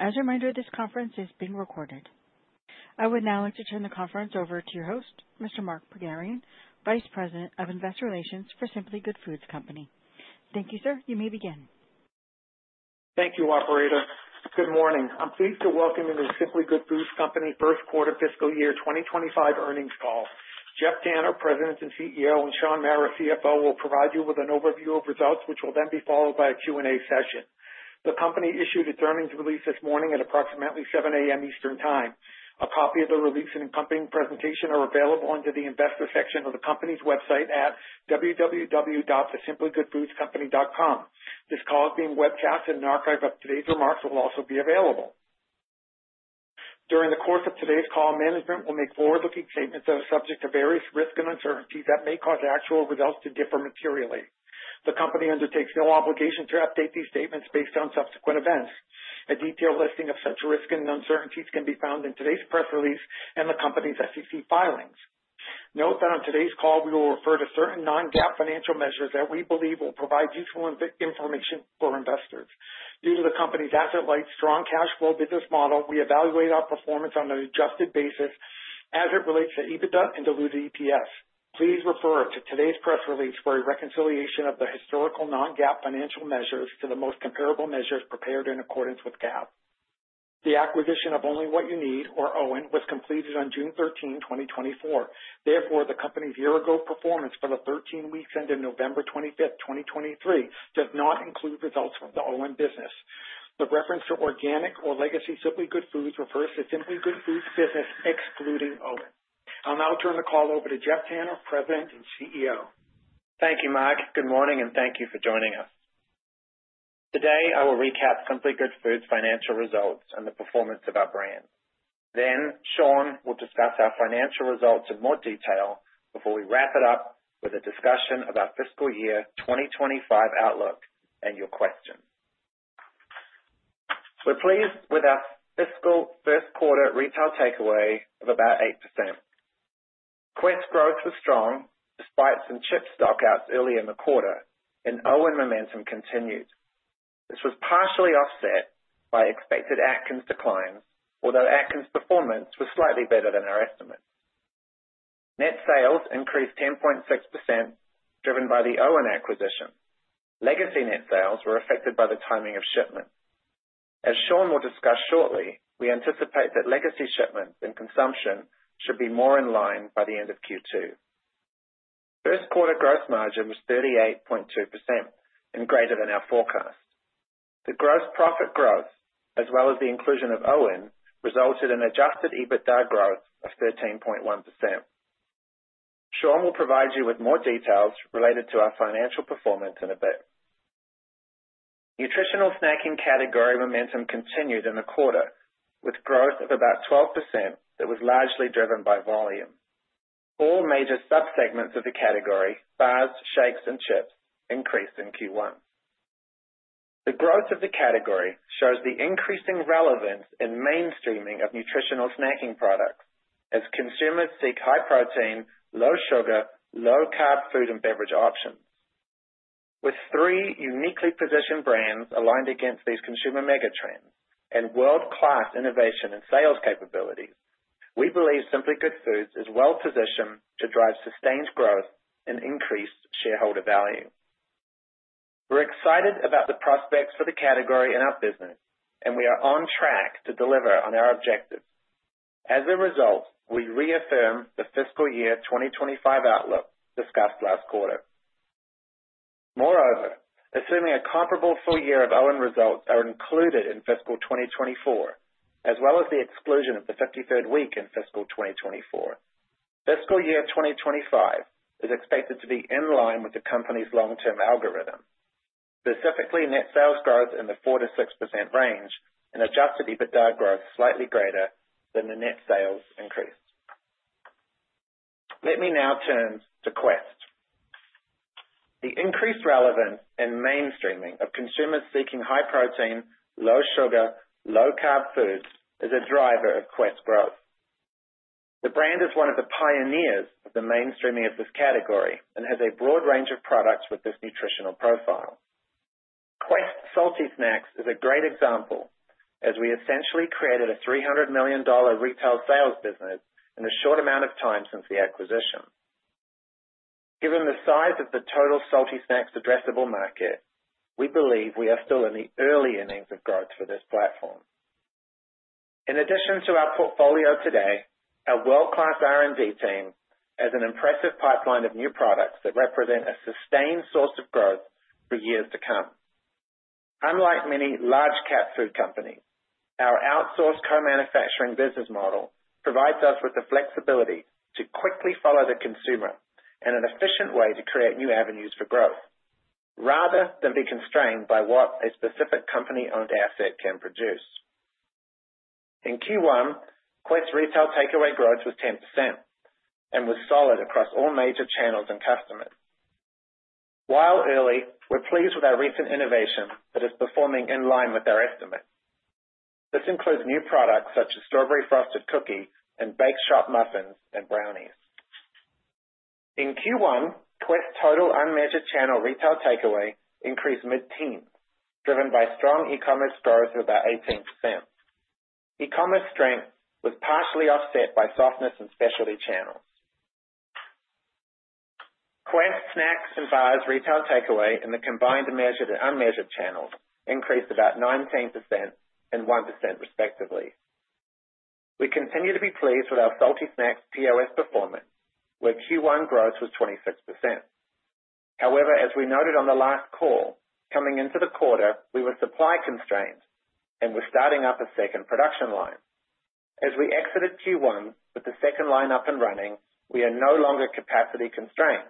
As a reminder, this conference is being recorded. I would now like to turn the conference over to your host, Mr. Mark Pogharian, Vice President of Investor Relations for Simply Good Foods Company. Thank you, sir. You may begin. Thank you, Operator. Good morning. I'm pleased to welcome you to The Simply Good Foods Company first quarter fiscal year 2025 earnings call. Geoff Tanner, President and CEO, and Shaun Mara, CFO, will provide you with an overview of results, which will then be followed by a Q&A session. The company issued its earnings release this morning at approximately 7:00 A.M. Eastern Time. A copy of the release and accompanying presentation are available under the investor section of the company's website at www.theSimplyGoodFoodsCompany.com. This call is being webcast, and an archive of today's remarks will also be available. During the course of today's call, management will make forward-looking statements that are subject to various risks and uncertainties that may cause actual results to differ materially. The company undertakes no obligation to update these statements based on subsequent events. A detailed listing of such risks and uncertainties can be found in today's press release and the company's SEC filings. Note that on today's call, we will refer to certain non-GAAP financial measures that we believe will provide useful information for investors. Due to the company's asset-light, strong cash flow business model, we evaluate our performance on an adjusted basis as it relates to EBITDA and diluted EPS. Please refer to today's press release for a reconciliation of the historical non-GAAP financial measures to the most comparable measures prepared in accordance with GAAP. The acquisition of Only What You Need, or OWYN, was completed on June 13, 2024. Therefore, the company's year-ago performance for the 13 weeks ending November 25, 2023, does not include results from the OWYN business. The reference to organic or legacy Simply Good Foods refers to Simply Good Foods business excluding OWYN. I'll now turn the call over to Geoff Tanner, President and CEO. Thank you, Mark. Good morning, and thank you for joining us. Today, I will recap Simply Good Foods' financial results and the performance of our brand. Then, Shaun will discuss our financial results in more detail before we wrap it up with a discussion of our fiscal year 2025 outlook and your questions. We're pleased with our fiscal first quarter retail takeaway of about 8%. Quest growth was strong despite some chip stockouts earlier in the quarter, and OWYN momentum continued. This was partially offset by expected Atkins declines, although Atkins' performance was slightly better than our estimates. Net sales increased 10.6%, driven by the OWYN acquisition. Legacy net sales were affected by the timing of shipment. As Shaun will discuss shortly, we anticipate that legacy shipments and consumption should be more in line by the end of Q2. First quarter gross margin was 38.2% and greater than our forecast. The gross profit growth, as well as the inclusion of OWYN, resulted in adjusted EBITDA growth of 13.1%. Shaun will provide you with more details related to our financial performance in a bit. Nutritional snacking category momentum continued in the quarter, with growth of about 12% that was largely driven by volume. All major subsegments of the category, bars, shakes, and chips, increased in Q1. The growth of the category shows the increasing relevance and mainstreaming of nutritional snacking products as consumers seek high-protein, low-sugar, low-carb food and beverage options. With three uniquely positioned brands aligned against these consumer megatrends and world-class innovation and sales capabilities, we believe Simply Good Foods is well-positioned to drive sustained growth and increased shareholder value. We're excited about the prospects for the category and our business, and we are on track to deliver on our objectives. As a result, we reaffirm the fiscal year 2025 outlook discussed last quarter. Moreover, assuming a comparable full year of OWYN results are included in fiscal 2024, as well as the exclusion of the 53rd week in fiscal 2024, fiscal year 2025 is expected to be in line with the company's long-term algorithm. Specifically, net sales growth in the 4%-6% range and adjusted EBITDA growth slightly greater than the net sales increase. Let me now turn to Quest. The increased relevance and mainstreaming of consumers seeking high-protein, low-sugar, low-carb foods is a driver of Quest growth. The brand is one of the pioneers of the mainstreaming of this category and has a broad range of products with this nutritional profile. Quest Salty Snacks is a great example as we essentially created a $300 million retail sales business in a short amount of time since the acquisition. Given the size of the total Salty Snacks addressable market, we believe we are still in the early innings of growth for this platform. In addition to our portfolio today, our world-class R&D team has an impressive pipeline of new products that represent a sustained source of growth for years to come. Unlike many large-cap food companies, our outsourced co-manufacturing business model provides us with the flexibility to quickly follow the consumer and an efficient way to create new avenues for growth, rather than be constrained by what a specific company-owned asset can produce. In Q1, Quest retail takeaway growth was 10% and was solid across all major channels and customers. While early, we're pleased with our recent innovation that is performing in line with our estimates. This includes new products such as Strawberry Frosted Cookie and Bake Shop muffins and brownies. In Q1, Quest total unmeasured channel retail takeaway increased mid-teens, driven by strong e-commerce growth of about 18%. E-commerce strength was partially offset by softness and specialty channels. Quest snacks and bars retail takeaway in the combined measured and unmeasured channels increased about 19% and 1% respectively. We continue to be pleased with our Salty Snacks POS performance, where Q1 growth was 26%. However, as we noted on the last call, coming into the quarter, we were supply constrained and were starting up a second production line. As we exited Q1 with the second line up and running, we are no longer capacity constrained,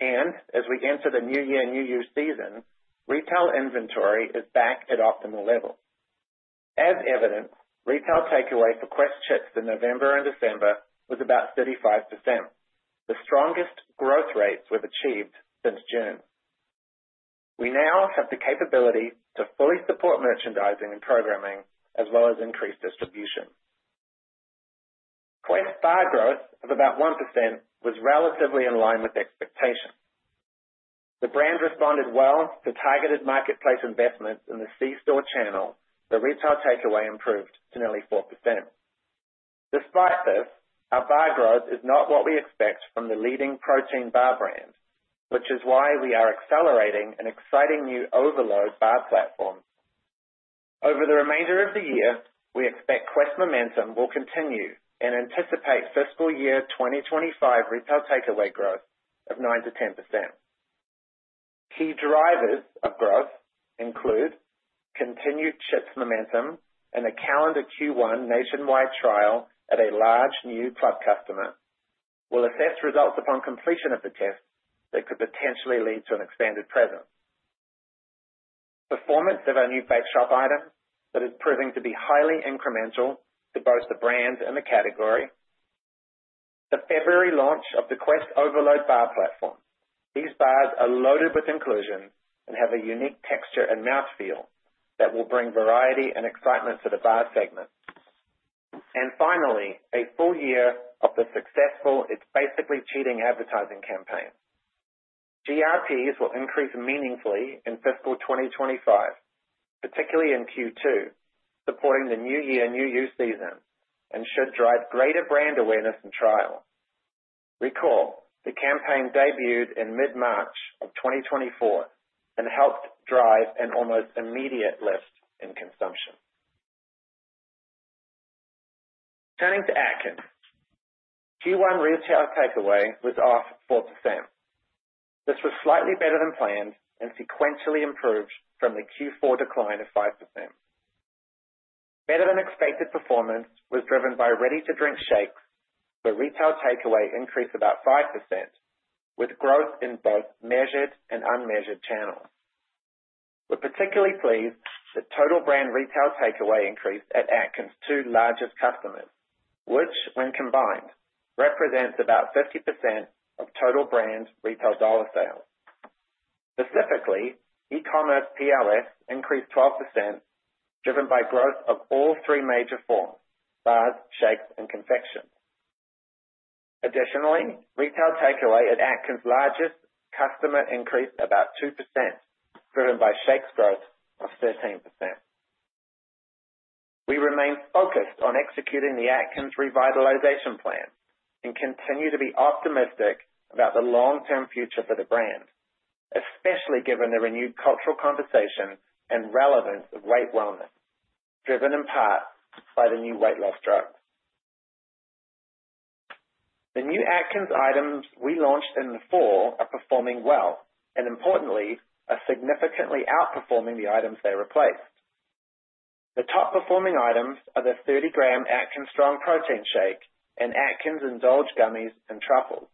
and as we enter the new year season, retail inventory is back at optimal levels. As evidenced, retail takeaway for Quest chips in November and December was about 35%, the strongest growth rates we've achieved since June. We now have the capability to fully support merchandising and programming, as well as increased distribution. Quest bar growth of about 1% was relatively in line with expectations. The brand responded well to targeted marketplace investments in the C-store channel, but retail takeaway improved to nearly 4%. Despite this, our bar growth is not what we expect from the leading protein bar brand, which is why we are accelerating an exciting new Overload bar platform. Over the remainder of the year, we expect Quest momentum will continue and anticipate fiscal year 2025 retail takeaway growth of 9%-10%. Key drivers of growth include continued chips momentum and a calendar Q1 nationwide trial at a large new club customer. We'll assess results upon completion of the test that could potentially lead to an expanded presence. Performance of our new Bake Shop items that is proving to be highly incremental to both the brand and the category. The February launch of the Quest Overload Bar platform. These bars are loaded with inclusions and have a unique texture and mouthfeel that will bring variety and excitement to the bar segment. And finally, a full year of the successful It's Basically Cheating advertising campaign. GRPs will increase meaningfully in fiscal 2025, particularly in Q2, supporting the New Year/New Year season and should drive greater brand awareness and trial. Recall, the campaign debuted in mid-March of 2024 and helped drive an almost immediate lift in consumption. Turning to Atkins, Q1 retail takeaway was off 4%. This was slightly better than planned and sequentially improved from the Q4 decline of 5%. Better than expected performance was driven by ready-to-drink shakes, where retail takeaway increased about 5%, with growth in both measured and unmeasured channels. We're particularly pleased that total brand retail takeaway increased at Atkins' two largest customers, which, when combined, represents about 50% of total brand retail dollar sales. Specifically, e-commerce POS increased 12%, driven by growth of all three major forms: bars, shakes, and confections. Additionally, retail takeaway at Atkins' largest customer increased about 2%, driven by shakes growth of 13%. We remain focused on executing the Atkins revitalization plan and continue to be optimistic about the long-term future for the brand, especially given the renewed cultural conversation and relevance of weight wellness, driven in part by the new weight loss drugs. The new Atkins items we launched in the fall are performing well and, importantly, are significantly outperforming the items they replaced. The top-performing items are the 30-gram Atkins Strong Protein Shake and Atkins Endulge Gummies and Truffles.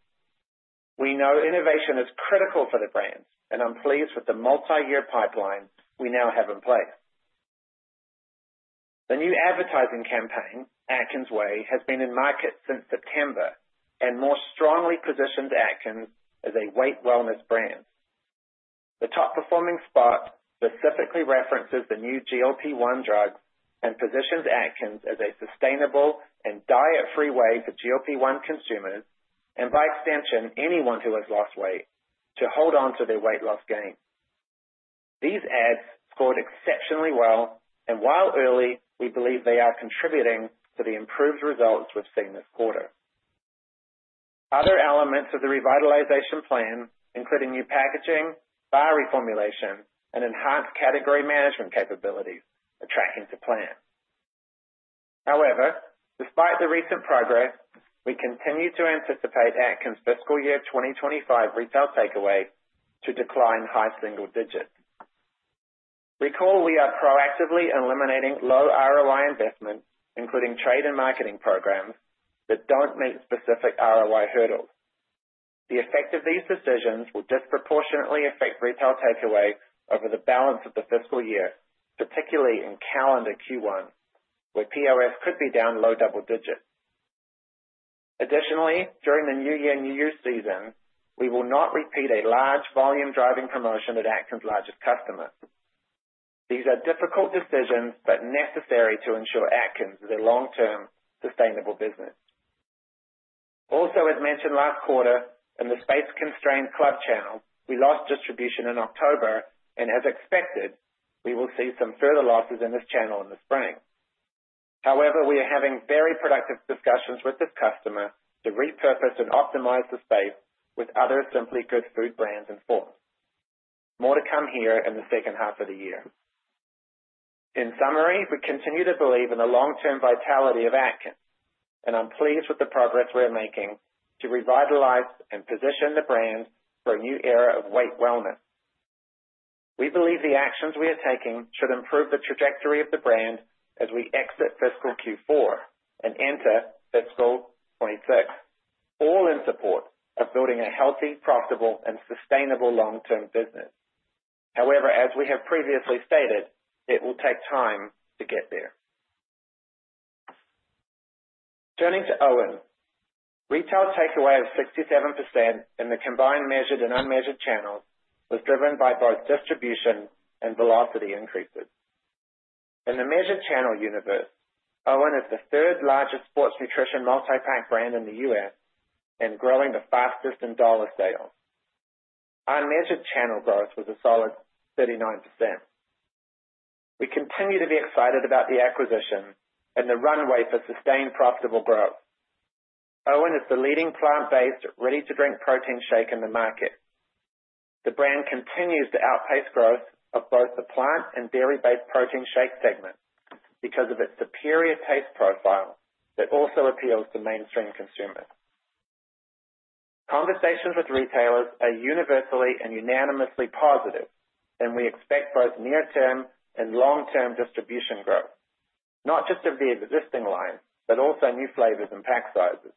We know innovation is critical for the brand, and I'm pleased with the multi-year pipeline we now have in place. The new advertising campaign, Atkins Way, has been in market since September and more strongly positions Atkins as a weight wellness brand. The top-performing spot specifically references the new GLP-1 drugs and positions Atkins as a sustainable and diet-free way for GLP-1 consumers and, by extension, anyone who has lost weight to hold on to their weight loss gains. These ads scored exceptionally well, and while early, we believe they are contributing to the improved results we've seen this quarter. Other elements of the revitalization plan, including new packaging, bar reformulation, and enhanced category management capabilities, are tracking to plan. However, despite the recent progress, we continue to anticipate Atkins' fiscal year 2025 retail takeaway to decline high single digits. Recall, we are proactively eliminating low ROI investments, including trade and marketing programs that don't meet specific ROI hurdles. The effect of these decisions will disproportionately affect retail takeaway over the balance of the fiscal year, particularly in calendar Q1, where POS could be down low double digits. Additionally, during the new year, new you season, we will not repeat a large volume driving promotion at Atkins' largest customers. These are difficult decisions but necessary to ensure Atkins is a long-term sustainable business. Also, as mentioned last quarter, in the space-constrained club channel, we lost distribution in October, and as expected, we will see some further losses in this channel in the spring. However, we are having very productive discussions with this customer to repurpose and optimize the space with other Simply Good Foods brands and forms. More to come here in the second half of the year. In summary, we continue to believe in the long-term vitality of Atkins, and I'm pleased with the progress we're making to revitalize and position the brand for a new era of weight wellness. We believe the actions we are taking should improve the trajectory of the brand as we exit fiscal Q4 and enter fiscal 2026, all in support of building a healthy, profitable, and sustainable long-term business. However, as we have previously stated, it will take time to get there. Turning to OWYN, retail takeaway of 67% in the combined measured and unmeasured channels was driven by both distribution and velocity increases. In the measured channel universe, OWYN is the third-largest sports nutrition multi-pack brand in the US and growing the fastest in dollar sales. Unmeasured channel growth was a solid 39%. We continue to be excited about the acquisition and the runway for sustained profitable growth. OWYN is the leading plant-based ready-to-drink protein shake in the market. The brand continues to outpace growth of both the plant and dairy-based protein shake segments because of its superior taste profile that also appeals to mainstream consumers. Conversations with retailers are universally and unanimously positive, and we expect both near-term and long-term distribution growth, not just of the existing lines but also new flavors and pack sizes.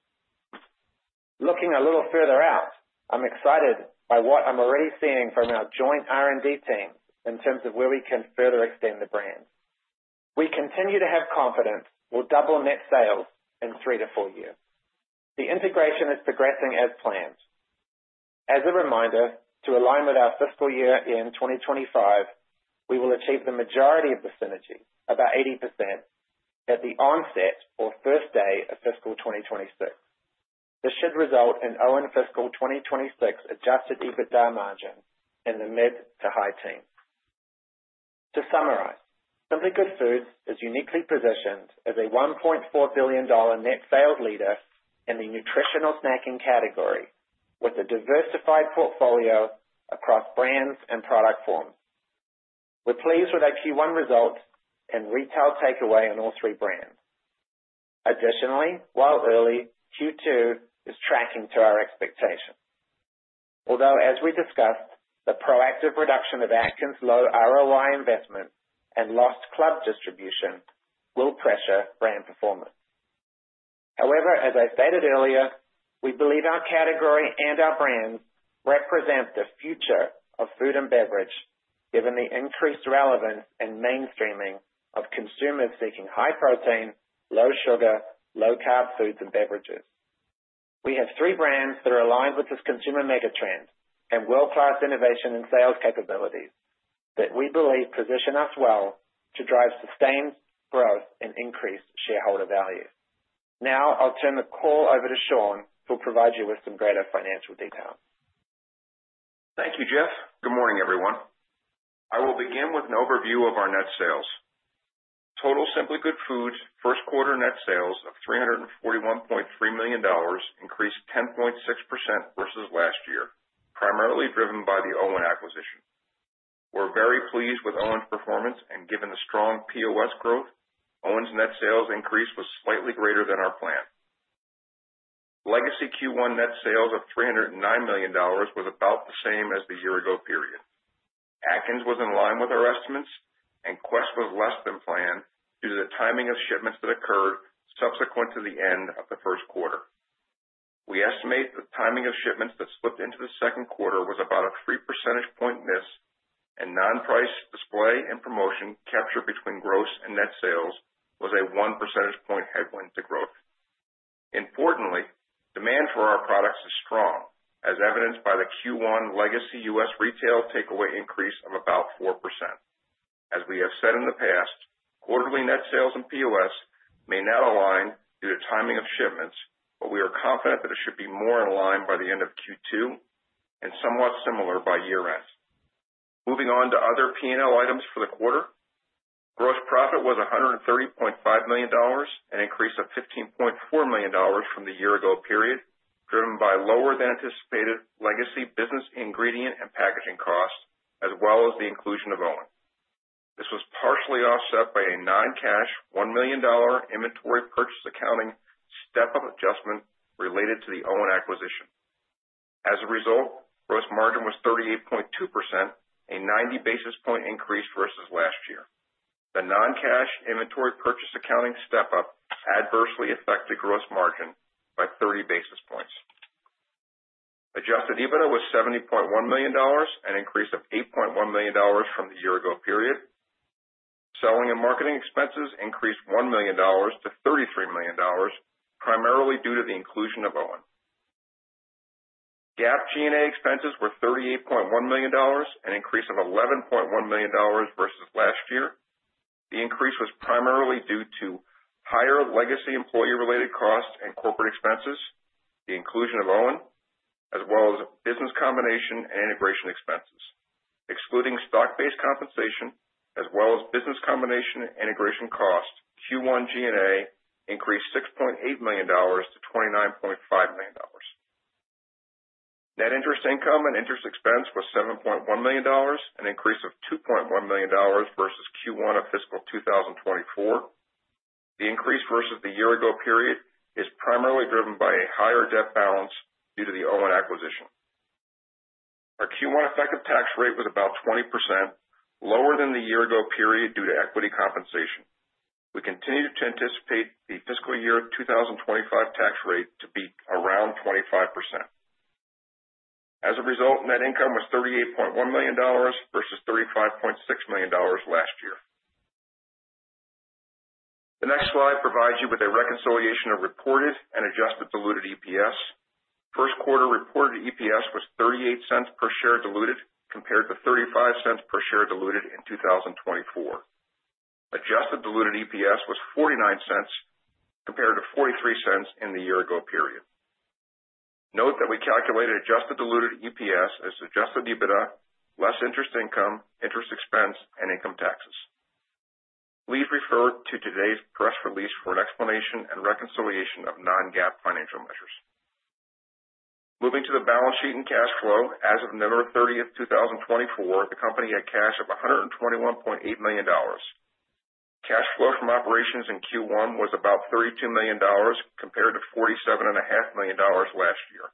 Looking a little further out, I'm excited by what I'm already seeing from our joint R&D team in terms of where we can further extend the brand. We continue to have confidence we'll double net sales in three to four years. The integration is progressing as planned. As a reminder, to align with our fiscal year in 2025, we will achieve the majority of the synergy, about 80%, at the onset or first day of fiscal 2026. This should result in OWYN fiscal 2026 Adjusted EBITDA margin in the mid to high teens. To summarize, Simply Good Foods is uniquely positioned as a $1.4 billion net sales leader in the nutritional snacking category with a diversified portfolio across brands and product forms. We're pleased with our Q1 results and retail takeaway on all three brands. Additionally, while early, Q2 is tracking to our expectations, although, as we discussed, the proactive reduction of Atkins' low ROI investment and lost club distribution will pressure brand performance. However, as I stated earlier, we believe our category and our brands represent the future of food and beverage given the increased relevance and mainstreaming of consumers seeking high protein, low sugar, low carb foods and beverages. We have three brands that are aligned with this consumer megatrend and world-class innovation and sales capabilities that we believe position us well to drive sustained growth and increased shareholder value. Now, I'll turn the call over to Shaun, who will provide you with some greater financial details. Thank you, Geoff. Good morning, everyone. I will begin with an overview of our net sales. Total Simply Good Foods' first quarter net sales of $341.3 million increased 10.6% versus last year, primarily driven by the OWYN acquisition. We're very pleased with OWYN's performance, and given the strong POS growth, OWYN's net sales increase was slightly greater than our plan. Legacy Q1 net sales of $309 million was about the same as the year-ago period. Atkins was in line with our estimates, and Quest was less than planned due to the timing of shipments that occurred subsequent to the end of the first quarter. We estimate the timing of shipments that slipped into the second quarter was about a 3 percentage point miss, and non-price display and promotion captured between gross and net sales was a 1 percentage point headwind to growth. Importantly, demand for our products is strong, as evidenced by the Q1 legacy U.S. retail takeaway increase of about 4%. As we have said in the past, quarterly net sales and POS may not align due to timing of shipments, but we are confident that it should be more in line by the end of Q2 and somewhat similar by year-end. Moving on to other P&L items for the quarter, gross profit was $130.5 million and increased by $15.4 million from the year-ago period, driven by lower-than-anticipated legacy business ingredient and packaging costs, as well as the inclusion of OWYN. This was partially offset by a non-cash $1 million inventory purchase accounting step-up adjustment related to the OWYN acquisition. As a result, gross margin was 38.2%, a 90 basis points increase versus last year. The non-cash inventory purchase accounting step-up adversely affected gross margin by 30 basis points. Adjusted EBITDA was $70.1 million and increased to $8.1 million from the year-ago period. Selling and marketing expenses increased $1 million to $33 million, primarily due to the inclusion of OWYN. GAAP G&A expenses were $38.1 million and increased to $11.1 million versus last year. The increase was primarily due to higher legacy employee-related costs and corporate expenses, the inclusion of OWYN, as well as business combination and integration expenses. Excluding stock-based compensation, as well as business combination and integration costs, Q1 G&A increased $6.8 million to $29.5 million. Net interest income and interest expense was $7.1 million and increased to $2.1 million versus Q1 of fiscal 2024. The increase versus the year-ago period is primarily driven by a higher debt balance due to the OWYN acquisition. Our Q1 effective tax rate was about 20%, lower than the year-ago period due to equity compensation. We continue to anticipate the fiscal year 2025 tax rate to be around 25%. As a result, net income was $38.1 million versus $35.6 million last year. The next slide provides you with a reconciliation of reported and Adjusted Diluted EPS. First quarter reported EPS was $0.38 per share diluted compared to $0.35 per share diluted in 2024. Adjusted Diluted EPS was $0.49 compared to $0.43 in the year-ago period. Note that we calculated Adjusted Diluted EPS as Adjusted EBITDA, less interest income, interest expense, and income taxes. Please refer to today's press release for an explanation and reconciliation of non-GAAP financial measures. Moving to the balance sheet and cash flow, as of November 30, 2024, the company had cash of $121.8 million. Cash flow from operations in Q1 was about $32 million compared to $47.5 million last year.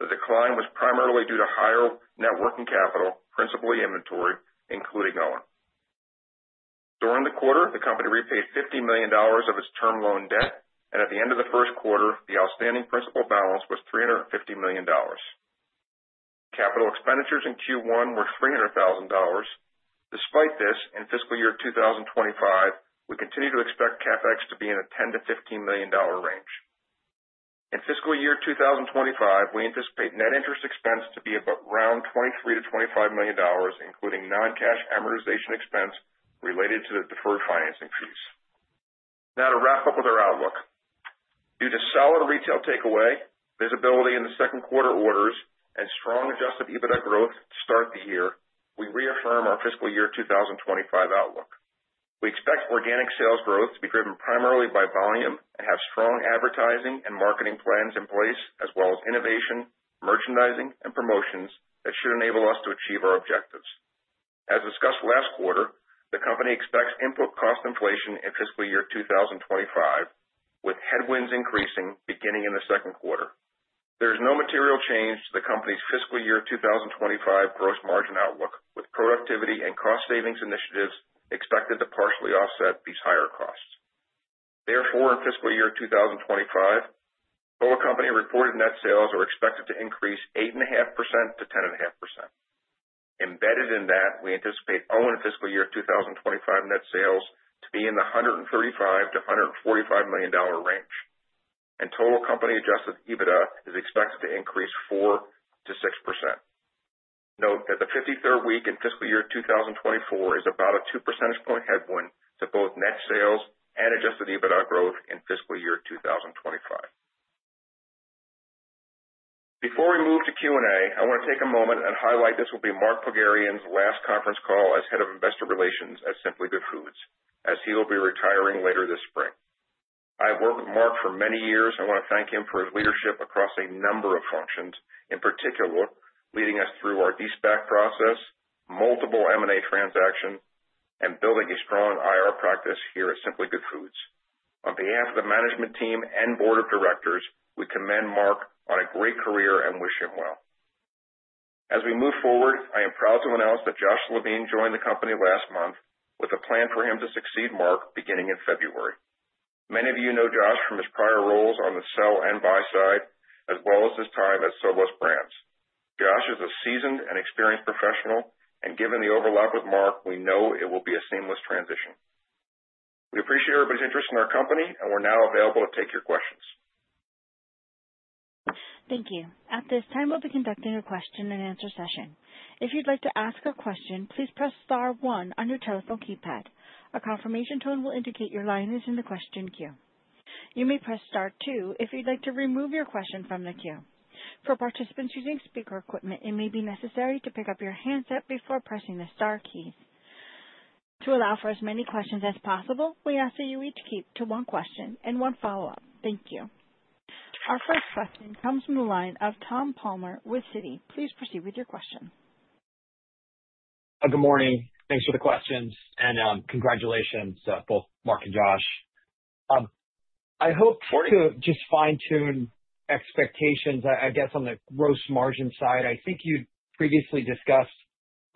The decline was primarily due to higher net working capital, principally inventory, including OWYN. During the quarter, the company repaid $50 million of its term loan debt, and at the end of the first quarter, the outstanding principal balance was $350 million. Capital expenditures in Q1 were $300,000. Despite this, in fiscal year 2025, we continue to expect CapEx to be in the $10-$15 million range. In fiscal year 2025, we anticipate net interest expense to be around $23-$25 million, including non-cash amortization expense related to the deferred financing fees. Now, to wrap up with our outlook. Due to solid retail takeaway, visibility in the second quarter orders, and strong adjusted EBITDA growth to start the year, we reaffirm our fiscal year 2025 outlook. We expect organic sales growth to be driven primarily by volume and have strong advertising and marketing plans in place, as well as innovation, merchandising, and promotions that should enable us to achieve our objectives. As discussed last quarter, the company expects input cost inflation in fiscal year 2025, with headwinds increasing beginning in the second quarter. There is no material change to the company's fiscal year 2025 gross margin outlook, with productivity and cost savings initiatives expected to partially offset these higher costs. Therefore, in fiscal year 2025, total company reported net sales are expected to increase 8.5%-10.5%. Embedded in that, we anticipate OWYN fiscal year 2025 net sales to be in the $135-$145 million range, and total company Adjusted EBITDA is expected to increase 4%-6%. Note that the 53rd week in fiscal year 2024 is about a 2 percentage point headwind to both net sales and Adjusted EBITDA growth in fiscal year 2025. Before we move to Q&A, I want to take a moment and highlight this will be Mark Pogharian's last conference call as head of investor relations at Simply Good Foods, as he will be retiring later this spring. I've worked with Mark for many years, and I want to thank him for his leadership across a number of functions, in particular leading us through our De-SPAC process, multiple M&A transactions, and building a strong IR practice here at Simply Good Foods. On behalf of the management team and board of directors, we commend Mark on a great career and wish him well. As we move forward, I am proud to announce that Geoff Levine joined the company last month, with a plan for him to succeed Mark beginning in February. Many of you know Geoff from his prior roles on the sell and buy side, as well as his time at Solo Brands. Geoff is a seasoned and experienced professional, and given the overlap with Mark, we know it will be a seamless transition. We appreciate everybody's interest in our company, and we're now available to take your questions. Thank you. At this time, we'll be conducting a question-and-answer session. If you'd like to ask a question, please press Star 1 on your telephone keypad. A confirmation tone will indicate your line is in the question queue. You may press Star 2 if you'd like to remove your question from the queue. For participants using speaker equipment, it may be necessary to pick up your handset before pressing the Star keys. To allow for as many questions as possible, we ask that you each keep to one question and one follow-up. Thank you. Our first question comes from the line of Tom Palmer with Citi. Please proceed with your question. Good morning. Thanks for the questions, and congratulations, both Mark and Geoff. I hope to just fine-tune expectations, I guess, on the gross margin side. I think you'd previously discussed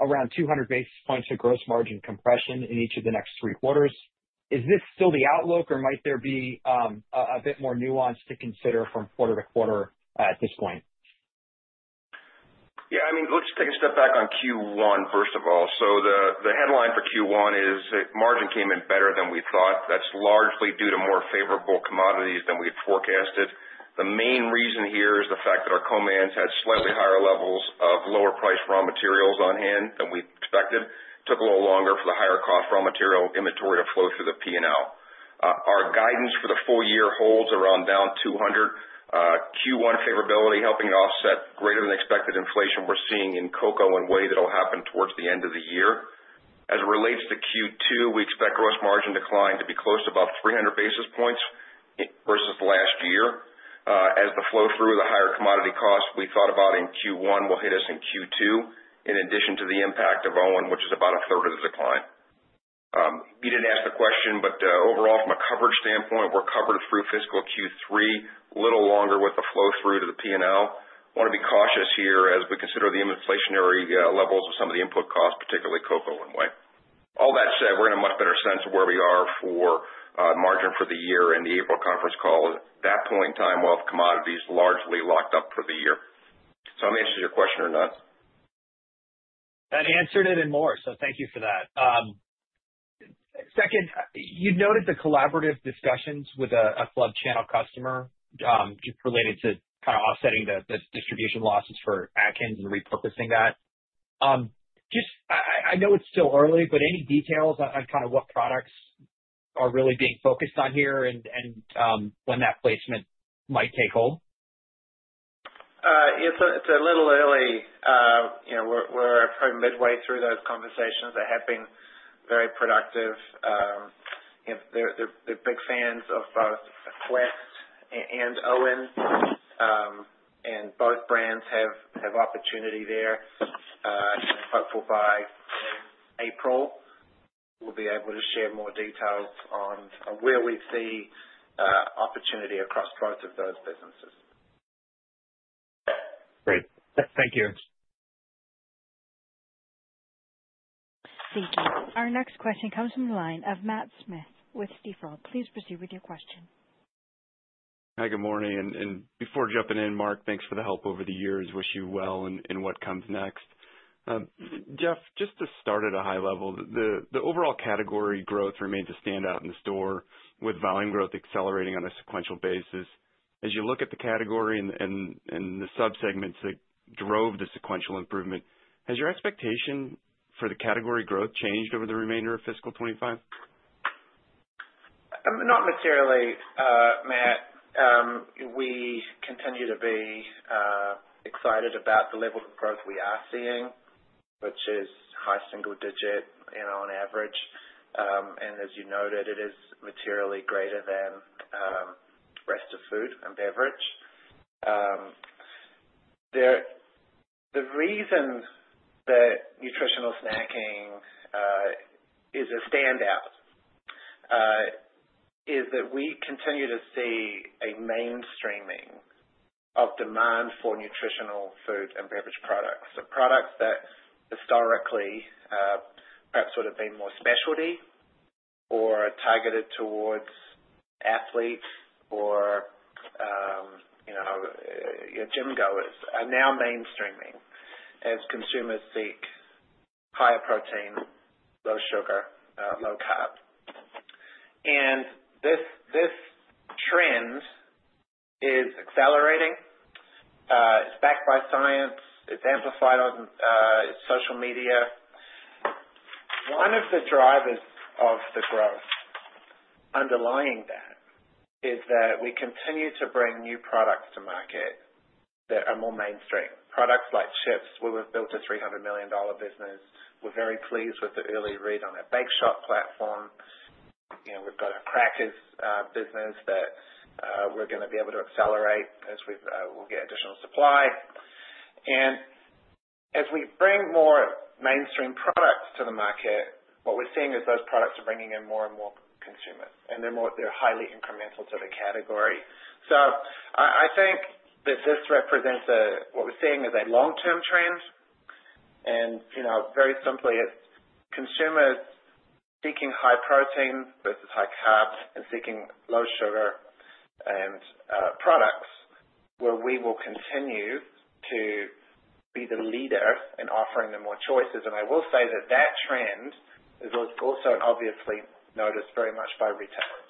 around 200 basis points of gross margin compression in each of the next three quarters. Is this still the outlook, or might there be a bit more nuance to consider from quarter to quarter at this point? Yeah. I mean, let's take a step back on Q1, first of all. So the headline for Q1 is margin came in better than we thought. That's largely due to more favorable commodities than we had forecasted. The main reason here is the fact that our co-mans had slightly higher levels of lower-priced raw materials on hand than we expected. It took a little longer for the higher-cost raw material inventory to flow through the P&L. Our guidance for the full year holds around down 200. Q1 favorability is helping offset greater-than-expected inflation we're seeing in cocoa and whey that'll happen towards the end of the year. As it relates to Q2, we expect gross margin decline to be close to about 300 basis points versus last year. As the flow-through, the higher commodity costs we thought about in Q1 will hit us in Q2, in addition to the impact of OWYN, which is about a third of the decline. You didn't ask the question, but overall, from a coverage standpoint, we're covered through fiscal Q3, a little longer with the flow-through to the P&L. I want to be cautious here as we consider the inflationary levels of some of the input costs, particularly cocoa and whey. All that said, we're in a much better sense of where we are for margin for the year and the April conference call. At that point in time, whey commodities largely locked up for the year. So I'm anxious to your question or not. That answered it in more, so thank you for that. Second, you noted the collaborative discussions with a club channel customer related to kind of offsetting the distribution losses for Atkins and repurposing that. I know it's still early, but any details on kind of what products are really being focused on here and when that placement might take hold? It's a little early. We're probably midway through those conversations. They have been very productive. They're big fans of both Quest and OWYN, and both brands have opportunity there. I'm hopeful by April, we'll be able to share more details on where we see opportunity across both of those businesses. Great. Thank you. Thank you. Our next question comes from the line of Matt Smith with Stifel. Please proceed with your question. Hi, good morning, and before jumping in, Mark, thanks for the help over the years. Wish you well in what comes next. Geoff, just to start at a high level, the overall category growth remains a standout in the store, with volume growth accelerating on a sequential basis. As you look at the category and the subsegments that drove the sequential improvement, has your expectation for the category growth changed over the remainder of fiscal 2025? Not materially, Matt. We continue to be excited about the level of growth we are seeing, which is high single-digit on average. And as you noted, it is materially greater than the rest of food and beverage. The reason that nutritional snacking is a standout is that we continue to see a mainstreaming of demand for nutritional food and beverage products. So products that historically perhaps would have been more specialty or targeted towards athletes or gym-goers are now mainstreaming as consumers seek higher protein, low sugar, low carb. And this trend is accelerating. It's backed by science. It's amplified on social media. One of the drivers of the growth underlying that is that we continue to bring new products to market that are more mainstream. Products like chips, where we've built a $300 million business. We're very pleased with the early read on our bake shop platform. We've got our crackers business that we're going to be able to accelerate as we get additional supply. And as we bring more mainstream products to the market, what we're seeing is those products are bringing in more and more consumers, and they're highly incremental to the category. So I think that this represents what we're seeing as a long-term trend. And very simply, it's consumers seeking high protein versus high carb and seeking low sugar products, where we will continue to be the leader in offering them more choices. And I will say that that trend is also obviously noticed very much by retailers.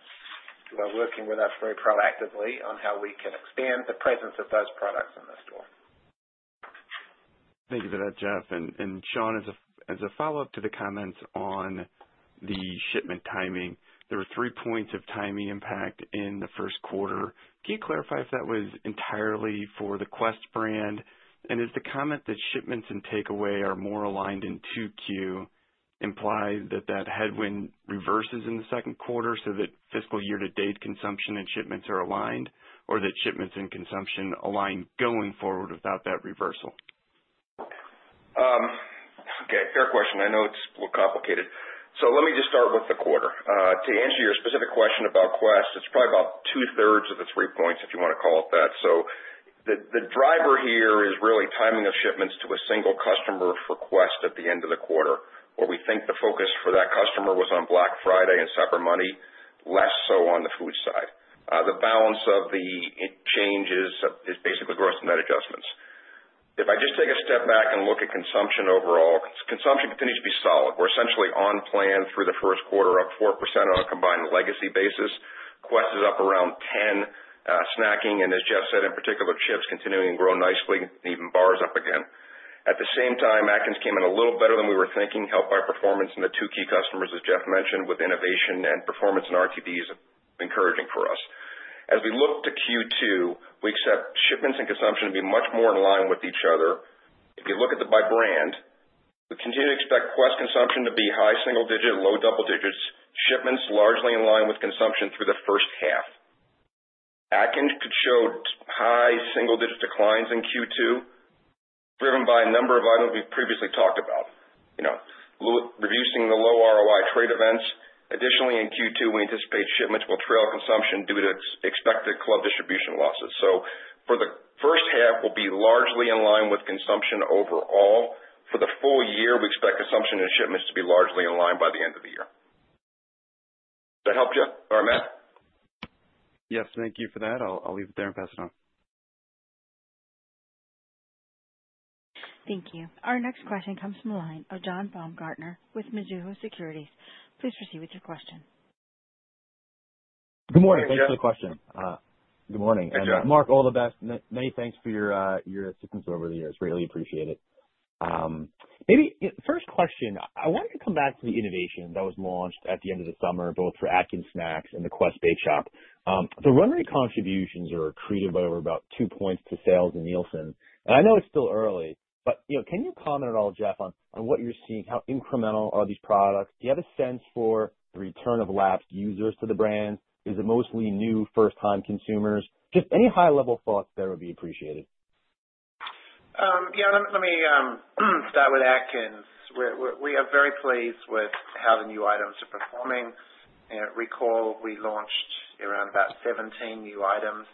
Retailers are working with us very proactively on how we can expand the presence of those products in the store. Thank you for that, Geoff. And Shaun, as a follow-up to the comments on the shipment timing, there were three points of timing impact in the first quarter. Can you clarify if that was entirely for the Quest brand? And is the comment that shipments and takeaway are more aligned in Q2 implies that that headwind reverses in the second quarter so that fiscal year-to-date consumption and shipments are aligned, or that shipments and consumption align going forward without that reversal? Okay. Fair question. I know it's a little complicated. So let me just start with the quarter. To answer your specific question about Quest, it's probably about two-thirds of the three points, if you want to call it that. So the driver here is really timing of shipments to a single customer for Quest at the end of the quarter, where we think the focus for that customer was on Black Friday and Cyber Monday, less so on the food side. The balance of the changes is basically gross net adjustments. If I just take a step back and look at consumption overall, consumption continues to be solid. We're essentially on plan through the first quarter, up 4% on a combined legacy basis. Quest is up around 10%. Snacking, and as Geoff said in particular, chips continuing to grow nicely, and even bars up again. At the same time, Atkins came in a little better than we were thinking, helped by performance in the two key customers, as Geoff mentioned, with innovation and performance and RTDs encouraging for us. As we look to Q2, we expect shipments and consumption to be much more in line with each other. If you look at the by brand, we continue to expect Quest consumption to be high single-digit, low double digits, shipments largely in line with consumption through the first half. Atkins could show high single-digit declines in Q2, driven by a number of items we previously talked about, reducing the low ROI trade events. Additionally, in Q2, we anticipate shipments will trail consumption due to expected club distribution losses, so for the first half, we'll be largely in line with consumption overall. For the full year, we expect consumption and shipments to be largely in line by the end of the year. Does that help, Geoff? Or Matt? Yep. Thank you for that. I'll leave it there and pass it on. Thank you. Our next question comes from the line of John Baumgartner with Mizuho Securities. Please proceed with your question. Good morning. Thanks for the question. Good morning. And Mark, all the best. Many thanks for your assistance over the years. Greatly appreciate it. Maybe first question, I wanted to come back to the innovation that was launched at the end of the summer, both for Atkins Snacks and the Quest Bake Shop. The run rate contributions are accretive by over about two points to sales in Nielsen. And I know it's still early, but can you comment at all, Geoff, on what you're seeing? How incremental are these products? Do you have a sense for the return of lapsed users to the brand? Is it mostly new first-time consumers? Just any high-level thoughts there would be appreciated. Yeah. Let me start with Atkins. We are very pleased with how the new items are performing. Recall, we launched around about 17 new items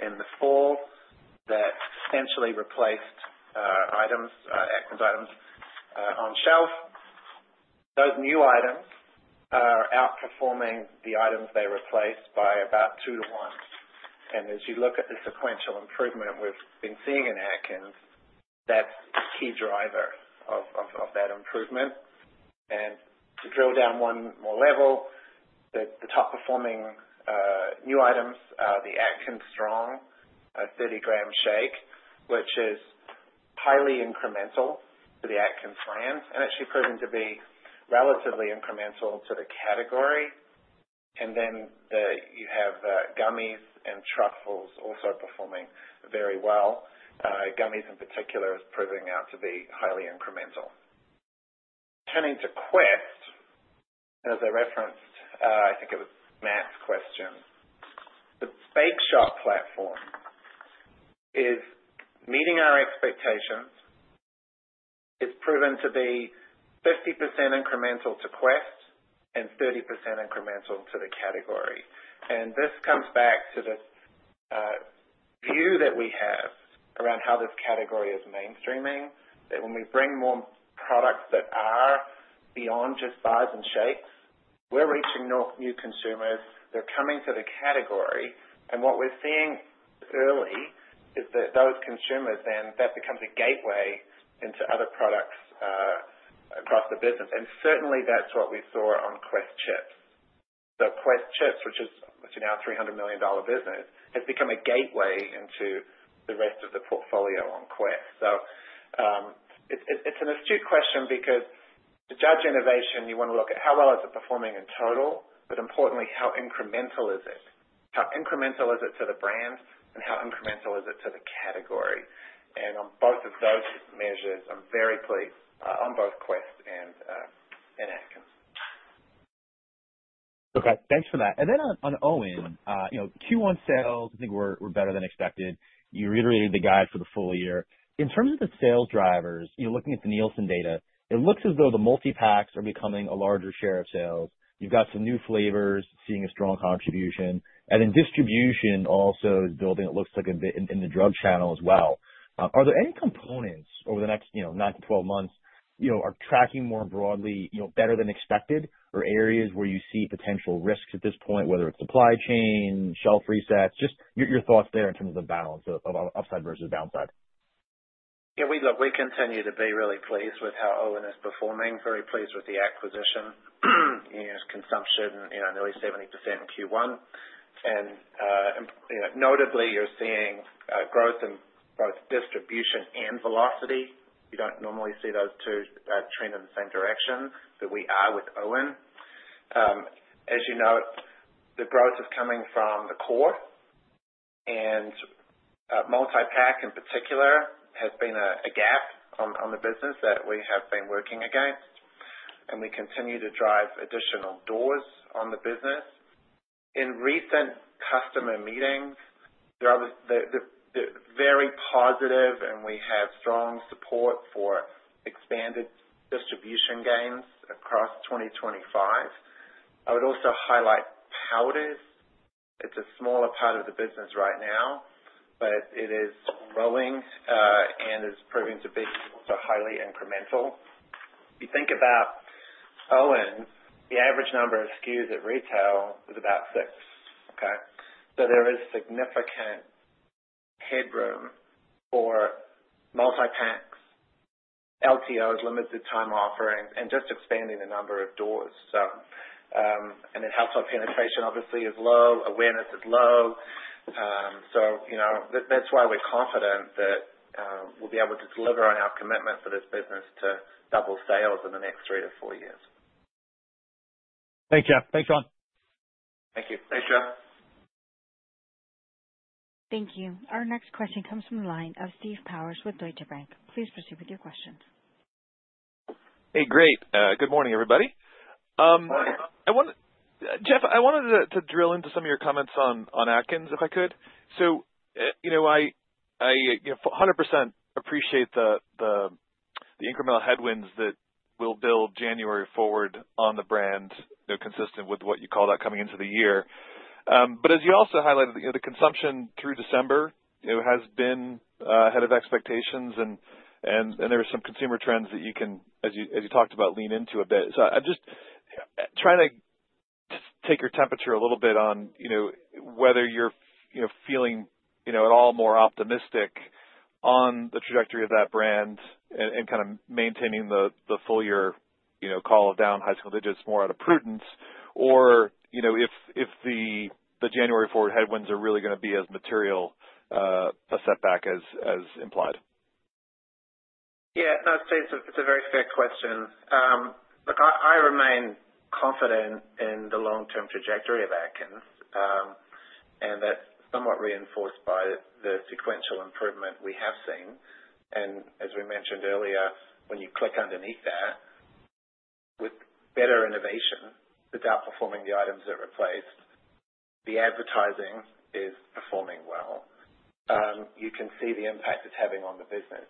in the fall that essentially replaced Atkins items on shelf. Those new items are outperforming the items they replaced by about two to one. And as you look at the sequential improvement we've been seeing in Atkins, that's a key driver of that improvement. And to drill down one more level, the top-performing new items are the Atkins Strong 30-gram shake, which is highly incremental to the Atkins brand and actually proving to be relatively incremental to the category. And then you have gummies and truffles also performing very well. Gummies, in particular, are proving out to be highly incremental. Turning to Quest, as I referenced, I think it was Matt's question, the bake shop platform is meeting our expectations. It's proven to be 50% incremental to Quest and 30% incremental to the category. And this comes back to the view that we have around how this category is mainstreaming, that when we bring more products that are beyond just bars and shakes, we're reaching new consumers. They're coming to the category. And what we're seeing early is that those consumers, then that becomes a gateway into other products across the business. And certainly, that's what we saw on Quest Chips. So Quest Chips, which is now a $300 million business, has become a gateway into the rest of the portfolio on Quest. So it's an astute question because to judge innovation, you want to look at how well is it performing in total, but importantly, how incremental is it? How incremental is it to the brand, and how incremental is it to the category? On both of those measures, I'm very pleased on both Quest and Atkins. Okay. Thanks for that. And then on OWYN, Q1 sales, I think we're better than expected. You reiterated the guide for the full year. In terms of the sales drivers, looking at the Nielsen data, it looks as though the multi-packs are becoming a larger share of sales. You've got some new flavors seeing a strong contribution. And then distribution also is building, it looks like, in the drug channel as well. Are there any components over the next 9-12 months are tracking more broadly, better than expected, or areas where you see potential risks at this point, whether it's supply chain, shelf reset? Just your thoughts there in terms of the balance of upside versus downside? Yeah. We continue to be really pleased with how OWYN is performing, very pleased with the acquisition. Consumption, nearly 70% in Q1. And notably, you're seeing growth in both distribution and velocity. You don't normally see those two trend in the same direction that we are with OWYN. As you know, the growth is coming from the core, and multi-pack in particular has been a gap on the business that we have been working against. And we continue to drive additional doors on the business. In recent customer meetings, they're very positive, and we have strong support for expanded distribution gains across 2025. I would also highlight powders. It's a smaller part of the business right now, but it is growing and is proving to be highly incremental. If you think about OWYN, the average number of SKUs at retail is about six. Okay? There is significant headroom for multi-packs, LTOs, limited-time offerings, and just expanding the number of doors. Household penetration, obviously, is low. Awareness is low. That's why we're confident that we'll be able to deliver on our commitment for this business to double sales in the next three to four years. Thanks, Geoff. Thanks, Shaun. Thank you. Thanks, John. Thank you. Our next question comes from the line of Steve Powers with Deutsche Bank. Please proceed with your questions. Hey, great. Good morning, everybody. Geoff, I wanted to drill into some of your comments on Atkins if I could. So I 100% appreciate the incremental headwinds that we'll build January forward on the brand, consistent with what you call that coming into the year. But as you also highlighted, the consumption through December has been ahead of expectations, and there are some consumer trends that you can, as you talked about, lean into a bit. So I'm just trying to take your temperature a little bit on whether you're feeling at all more optimistic on the trajectory of that brand and kind of maintaining the full year call of down high single digits more out of prudence, or if the January forward headwinds are really going to be as material a setback as implied. Yeah. I'd say it's a very fair question. Look, I remain confident in the long-term trajectory of Atkins and that's somewhat reinforced by the sequential improvement we have seen. And as we mentioned earlier, when you click underneath that, with better innovation, the outperforming items that replaced, the advertising is performing well. You can see the impact it's having on the business.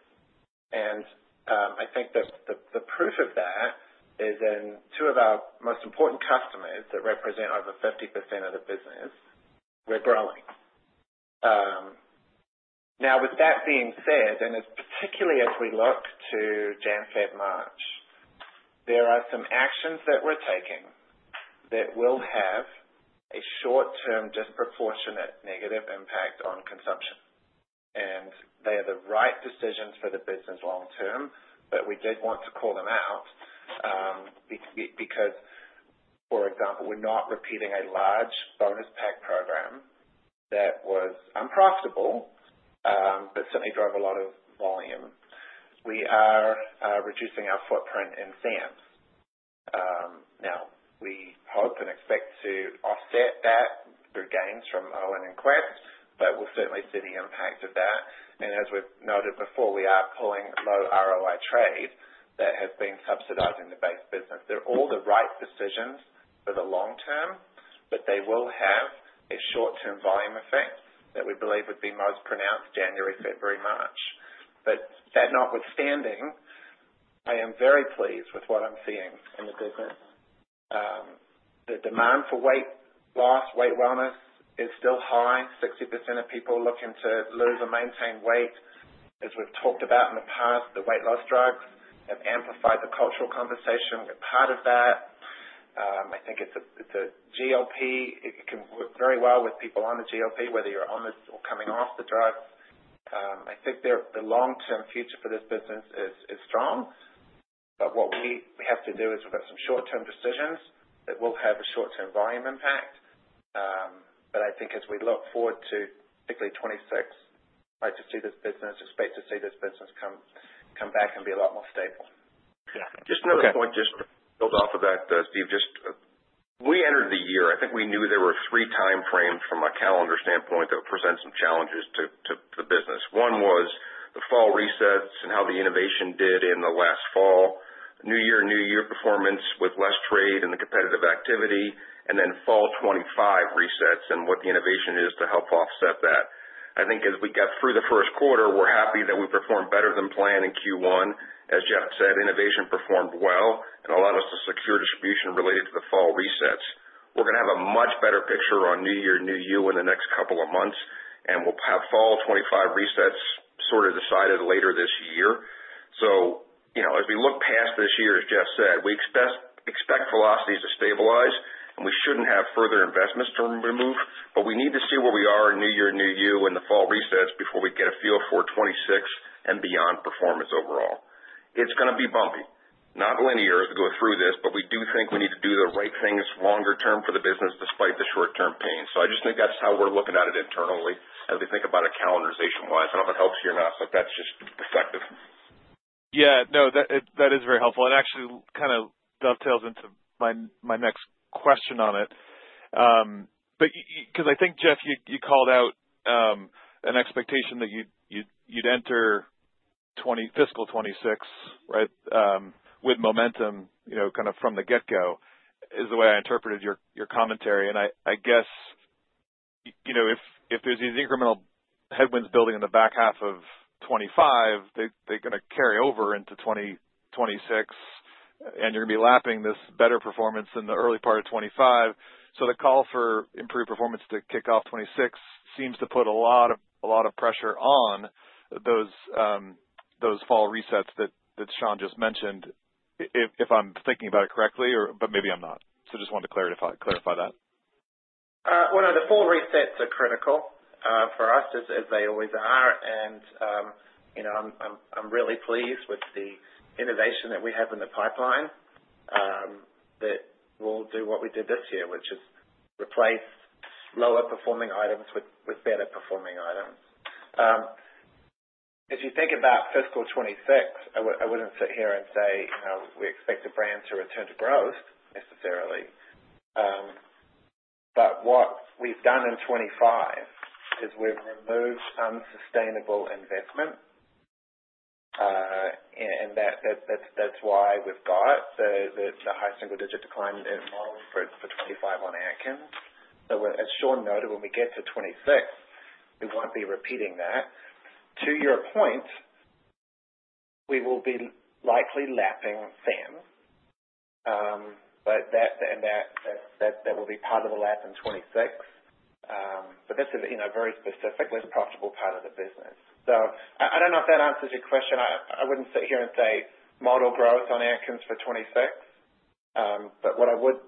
And I think that the proof of that is in two of our most important customers that represent over 50% of the business, we're growing. Now, with that being said, and particularly as we look to January, February, March, there are some actions that we're taking that will have a short-term disproportionate negative impact on consumption. They are the right decisions for the business long-term, but we did want to call them out because, for example, we're not repeating a large bonus pack program that was unprofitable but certainly drove a lot of volume. We are reducing our footprint in SAMs. Now, we hope and expect to offset that through gains from OWYN and Quest, but we'll certainly see the impact of that. And as we've noted before, we are pulling low ROI trade that has been subsidizing the base business. They're all the right decisions for the long-term, but they will have a short-term volume effect that we believe would be most pronounced January, February, March. But that notwithstanding, I am very pleased with what I'm seeing in the business. The demand for weight loss, weight wellness is still high. 60% of people are looking to lose or maintain weight. As we've talked about in the past, the weight loss drugs have amplified the cultural conversation. We're part of that. I think it's a GLP-1. It can work very well with people on the GLP-1, whether you're on this or coming off the drugs. I think the long-term future for this business is strong. But what we have to do is we've got some short-term decisions that will have a short-term volume impact. But I think as we look forward to particularly 2026, I'd like to see this business, expect to see this business come back and be a lot more stable. Yeah. Just another point just to build off of that, Steve, just we entered the year. I think we knew there were three timeframes from a calendar standpoint that would present some challenges to the business. One was the fall resets and how the innovation did in the last fall, new year and new year performance with less trade and the competitive activity, and then fall 2025 resets and what the innovation is to help offset that. I think as we got through the first quarter, we're happy that we performed better than planned in Q1. As Geoff said, innovation performed well and allowed us to secure distribution related to the fall resets. We're going to have a much better picture on new year and new year in the next couple of months, and we'll have fall 2025 resets sort of decided later this year. As we look past this year, as Geoff said, we expect velocity to stabilize, and we shouldn't have further investments to remove, but we need to see where we are in the new year and the fall resets before we get a feel for 2026 and beyond performance overall. It's going to be bumpy, not linear as we go through this, but we do think we need to do the right things longer term for the business despite the short-term pain. I just think that's how we're looking at it internally as we think about it calendarization-wise. I don't know if it helps you or not, but that's just effective. Yeah. No, that is very helpful. It actually kind of dovetails into my next question on it. Because I think, Geoff, you called out an expectation that you'd enter fiscal 2026, right, with momentum kind of from the get-go, is the way I interpreted your commentary. And I guess if there's these incremental headwinds building in the back half of 2025, they're going to carry over into 2026, and you're going to be lapping this better performance in the early part of 2025. So the call for improved performance to kick off 2026 seems to put a lot of pressure on those fall resets that Shaun just mentioned, if I'm thinking about it correctly, but maybe I'm not. So just wanted to clarify that. No, the fall resets are critical for us, as they always are. I'm really pleased with the innovation that we have in the pipeline that will do what we did this year, which is replace lower-performing items with better-performing items. If you think about fiscal 2026, I wouldn't sit here and say we expect the brand to return to growth necessarily. What we've done in 2025 is we've removed unsustainable investment, and that's why we've got the high single-digit decline in model for 2025 on Atkins. As Shaun noted, when we get to 2026, we won't be repeating that. To your point, we will be likely lapping Sam's, and that will be part of the lap in 2026. That's a very specific, less profitable part of the business. I don't know if that answers your question. I wouldn't sit here and say model growth on Atkins for 2026. But what I would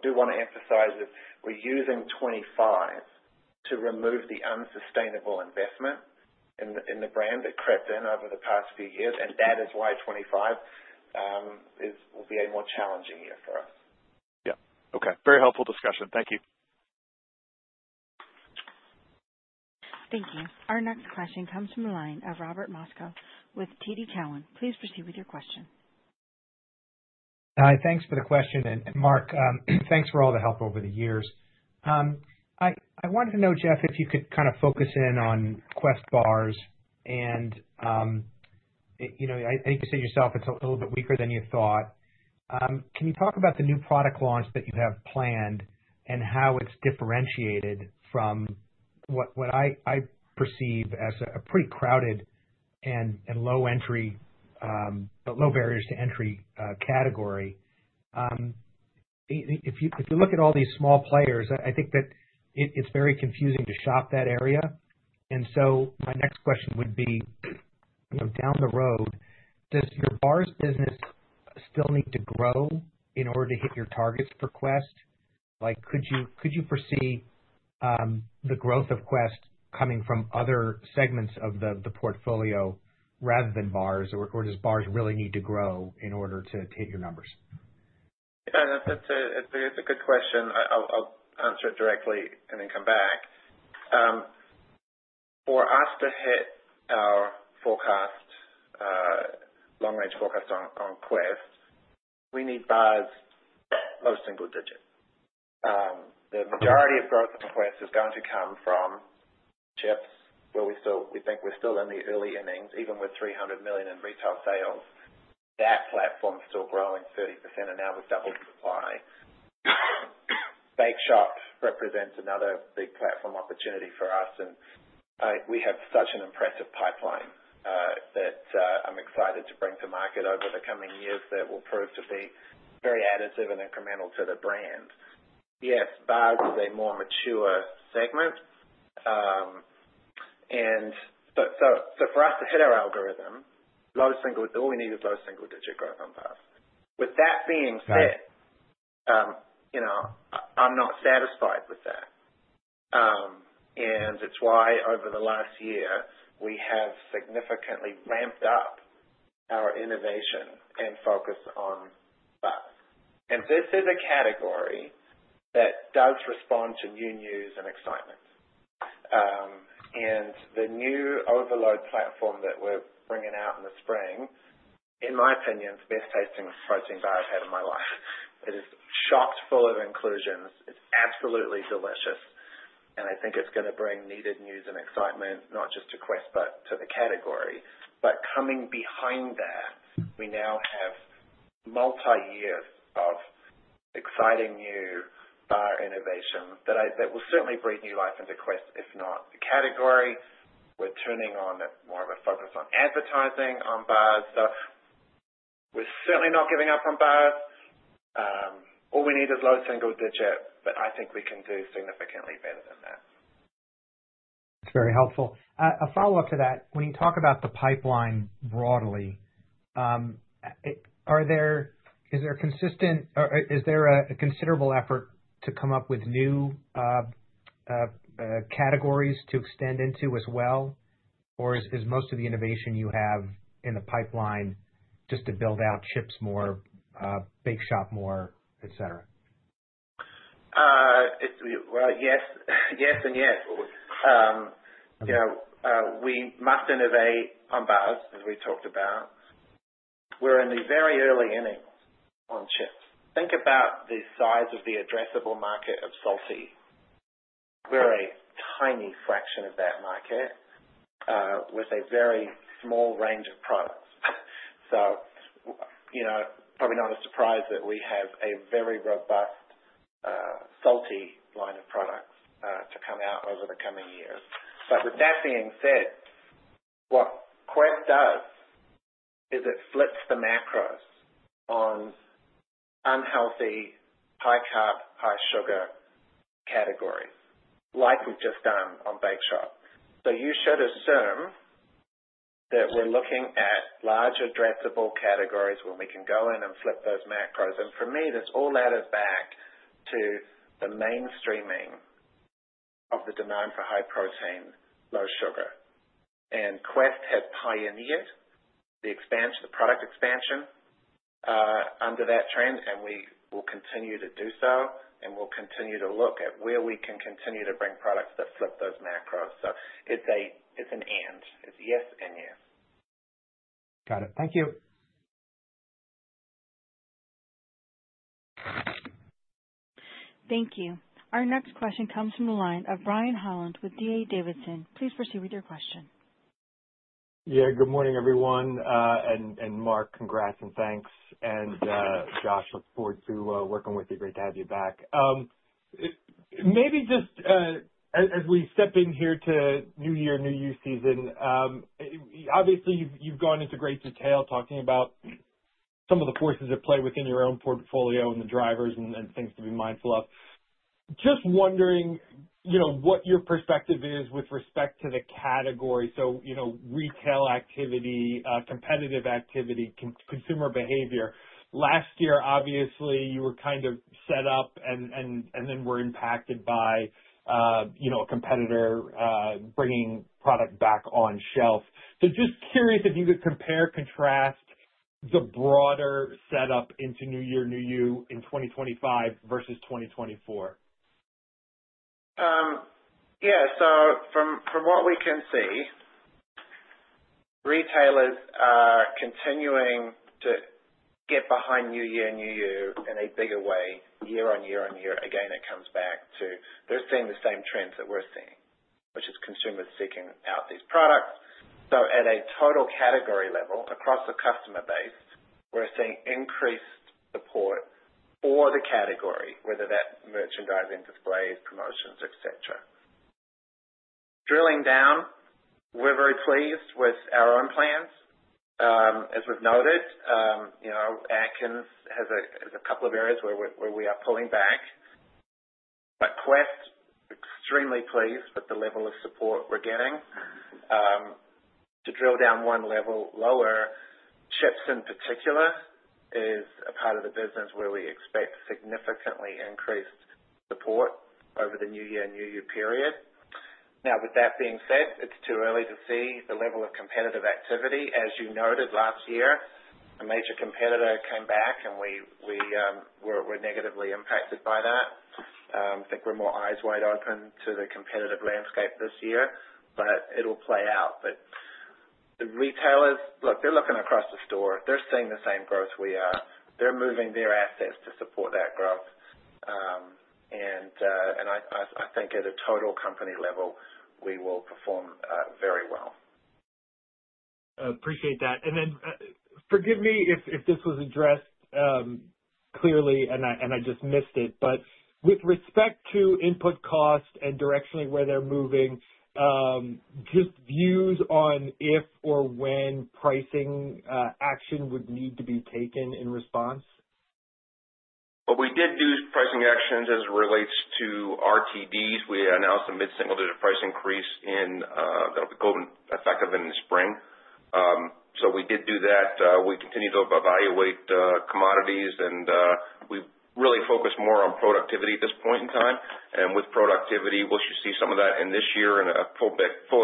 do want to emphasize is we're using 2025 to remove the unsustainable investment in the brand that crept in over the past few years, and that is why 2025 will be a more challenging year for us. Yeah. Okay. Very helpful discussion. Thank you. Thank you. Our next question comes from the line of Robert Moskow with TD Cowen. Please proceed with your question. Hi. Thanks for the question. And Mark, thanks for all the help over the years. I wanted to know, Geoff, if you could kind of focus in on Quest bars. And I think you said yourself it's a little bit weaker than you thought. Can you talk about the new product launch that you have planned and how it's differentiated from what I perceive as a pretty crowded and low barriers to entry category? If you look at all these small players, I think that it's very confusing to shop that area. And so my next question would be, down the road, does your bars business still need to grow in order to hit your targets for Quest? Could you foresee the growth of Quest coming from other segments of the portfolio rather than bars, or does bars really need to grow in order to hit your numbers? Yeah. That's a good question. I'll answer it directly and then come back. For us to hit our forecast, long-range forecast on Quest, we need bars low single digits. The majority of growth on Quest is going to come from chips, where we think we're still in the early innings. Even with $300 million in retail sales, that platform is still growing 30%, and now we've doubled the supply. Bake shop represents another big platform opportunity for us. And we have such an impressive pipeline that I'm excited to bring to market over the coming years that will prove to be very additive and incremental to the brand. Yes, bars is a more mature segment. And so for us to hit our algorithm, all we need is low single-digit growth on bars. With that being said, I'm not satisfied with that. And it's why over the last year, we have significantly ramped up our innovation and focus on bars. This is a category that does respond to new news and excitement. The new Overload platform that we're bringing out in the spring, in my opinion, it's the best tasting protein bar I've had in my life. It is chock full of inclusions. It's absolutely delicious. I think it's going to bring needed news and excitement, not just to Quest, but to the category. Coming behind that, we now have multi-year of exciting new bar innovation that will certainly breathe new life into Quest, if not the category. We're turning on more of a focus on advertising on bars. We're certainly not giving up on bars. All we need is low single digit, but I think we can do significantly better than that. That's very helpful. A follow-up to that, when you talk about the pipeline broadly, is there a considerable effort to come up with new categories to extend into as well? Or is most of the innovation you have in the pipeline just to build out chips more, bake shop more, etc.? Yes, yes, and yes. We must innovate on bars, as we talked about. We're in the very early innings on chips. Think about the size of the addressable market of salty. We're a tiny fraction of that market with a very small range of products. So probably not a surprise that we have a very robust salty line of products to come out over the coming years. But with that being said, what Quest does is it flips the macros on unhealthy, high carb, high sugar categories, like we've just done on bake shop. So you should assume that we're looking at large addressable categories where we can go in and flip those macros. And for me, this all adds back to the mainstreaming of the demand for high protein, low sugar. And Quest has pioneered the product expansion under that trend, and we will continue to do so. And we'll continue to look at where we can continue to bring products that flip those macros. So it's an and. It's yes and yes. Got it. Thank you. Thank you. Our next question comes from the line of Brian Holland with DA Davidson. Please proceed with your question. Yeah. Good morning, everyone. And Mark, congrats and thanks. And Geoff, look forward to working with you. Great to have you back. Maybe just as we step in here to New Year, New You season, obviously, you've gone into great detail talking about some of the forces at play within your own portfolio and the drivers and things to be mindful of. Just wondering what your perspective is with respect to the category. So retail activity, competitive activity, consumer behavior. Last year, obviously, you were kind of set up and then were impacted by a competitor bringing product back on shelf. So just curious if you could compare, contrast the broader setup into New Year, New You in 2025 versus 2024. Yeah. So from what we can see, retail is continuing to get behind new year and new year in a bigger way, year - on - year - on - year. Again, it comes back to they're seeing the same trends that we're seeing, which is consumers seeking out these products. So at a total category level across the customer base, we're seeing increased support for the category, whether that's merchandising, displays, promotions, etc. Drilling down, we're very pleased with our own plans. As we've noted, Atkins has a couple of areas where we are pulling back. But Quest, extremely pleased with the level of support we're getting. To drill down one level lower, chips in particular is a part of the business where we expect significantly increased support over the new year and new year period. Now, with that being said, it's too early to see the level of competitive activity. As you noted, last year, a major competitor came back, and we were negatively impacted by that. I think we're more eyes wide open to the competitive landscape this year, but it'll play out. But the retailers, look, they're looking across the store. They're seeing the same growth we are. They're moving their assets to support that growth. And I think at a total company level, we will perform very well. Appreciate that. And then forgive me if this was addressed clearly, and I just missed it, but with respect to input cost and directionally where they're moving, just views on if or when pricing action would need to be taken in response? We did do pricing actions as it relates to RTDs. We announced a mid-single-digit price increase that'll be effective in the spring. We did do that. We continue to evaluate commodities, and we really focus more on productivity at this point in time. With productivity, we'll see some of that in this year and a full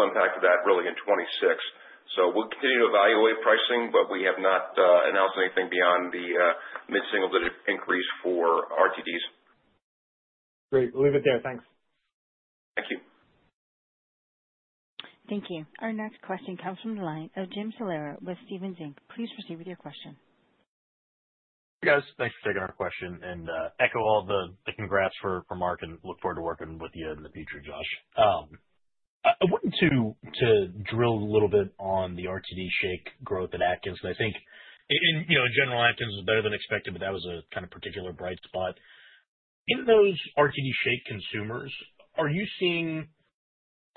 impact of that really in 2026. We'll continue to evaluate pricing, but we have not announced anything beyond the mid-single-digit increase for RTDs. Great. We'll leave it there. Thanks. Thank you. Thank you. Our next question comes from the line of Jim Salera with Stephens Inc. Please proceed with your question. Hey, guys. Thanks for taking our question. And echo all the congrats for Mark, and look forward to working with you in the future, Geoff. I wanted to drill a little bit on the RTD shake growth at Atkins. And I think in general, Atkins was better than expected, but that was a kind of particular bright spot. In those RTD shake consumers, are you seeing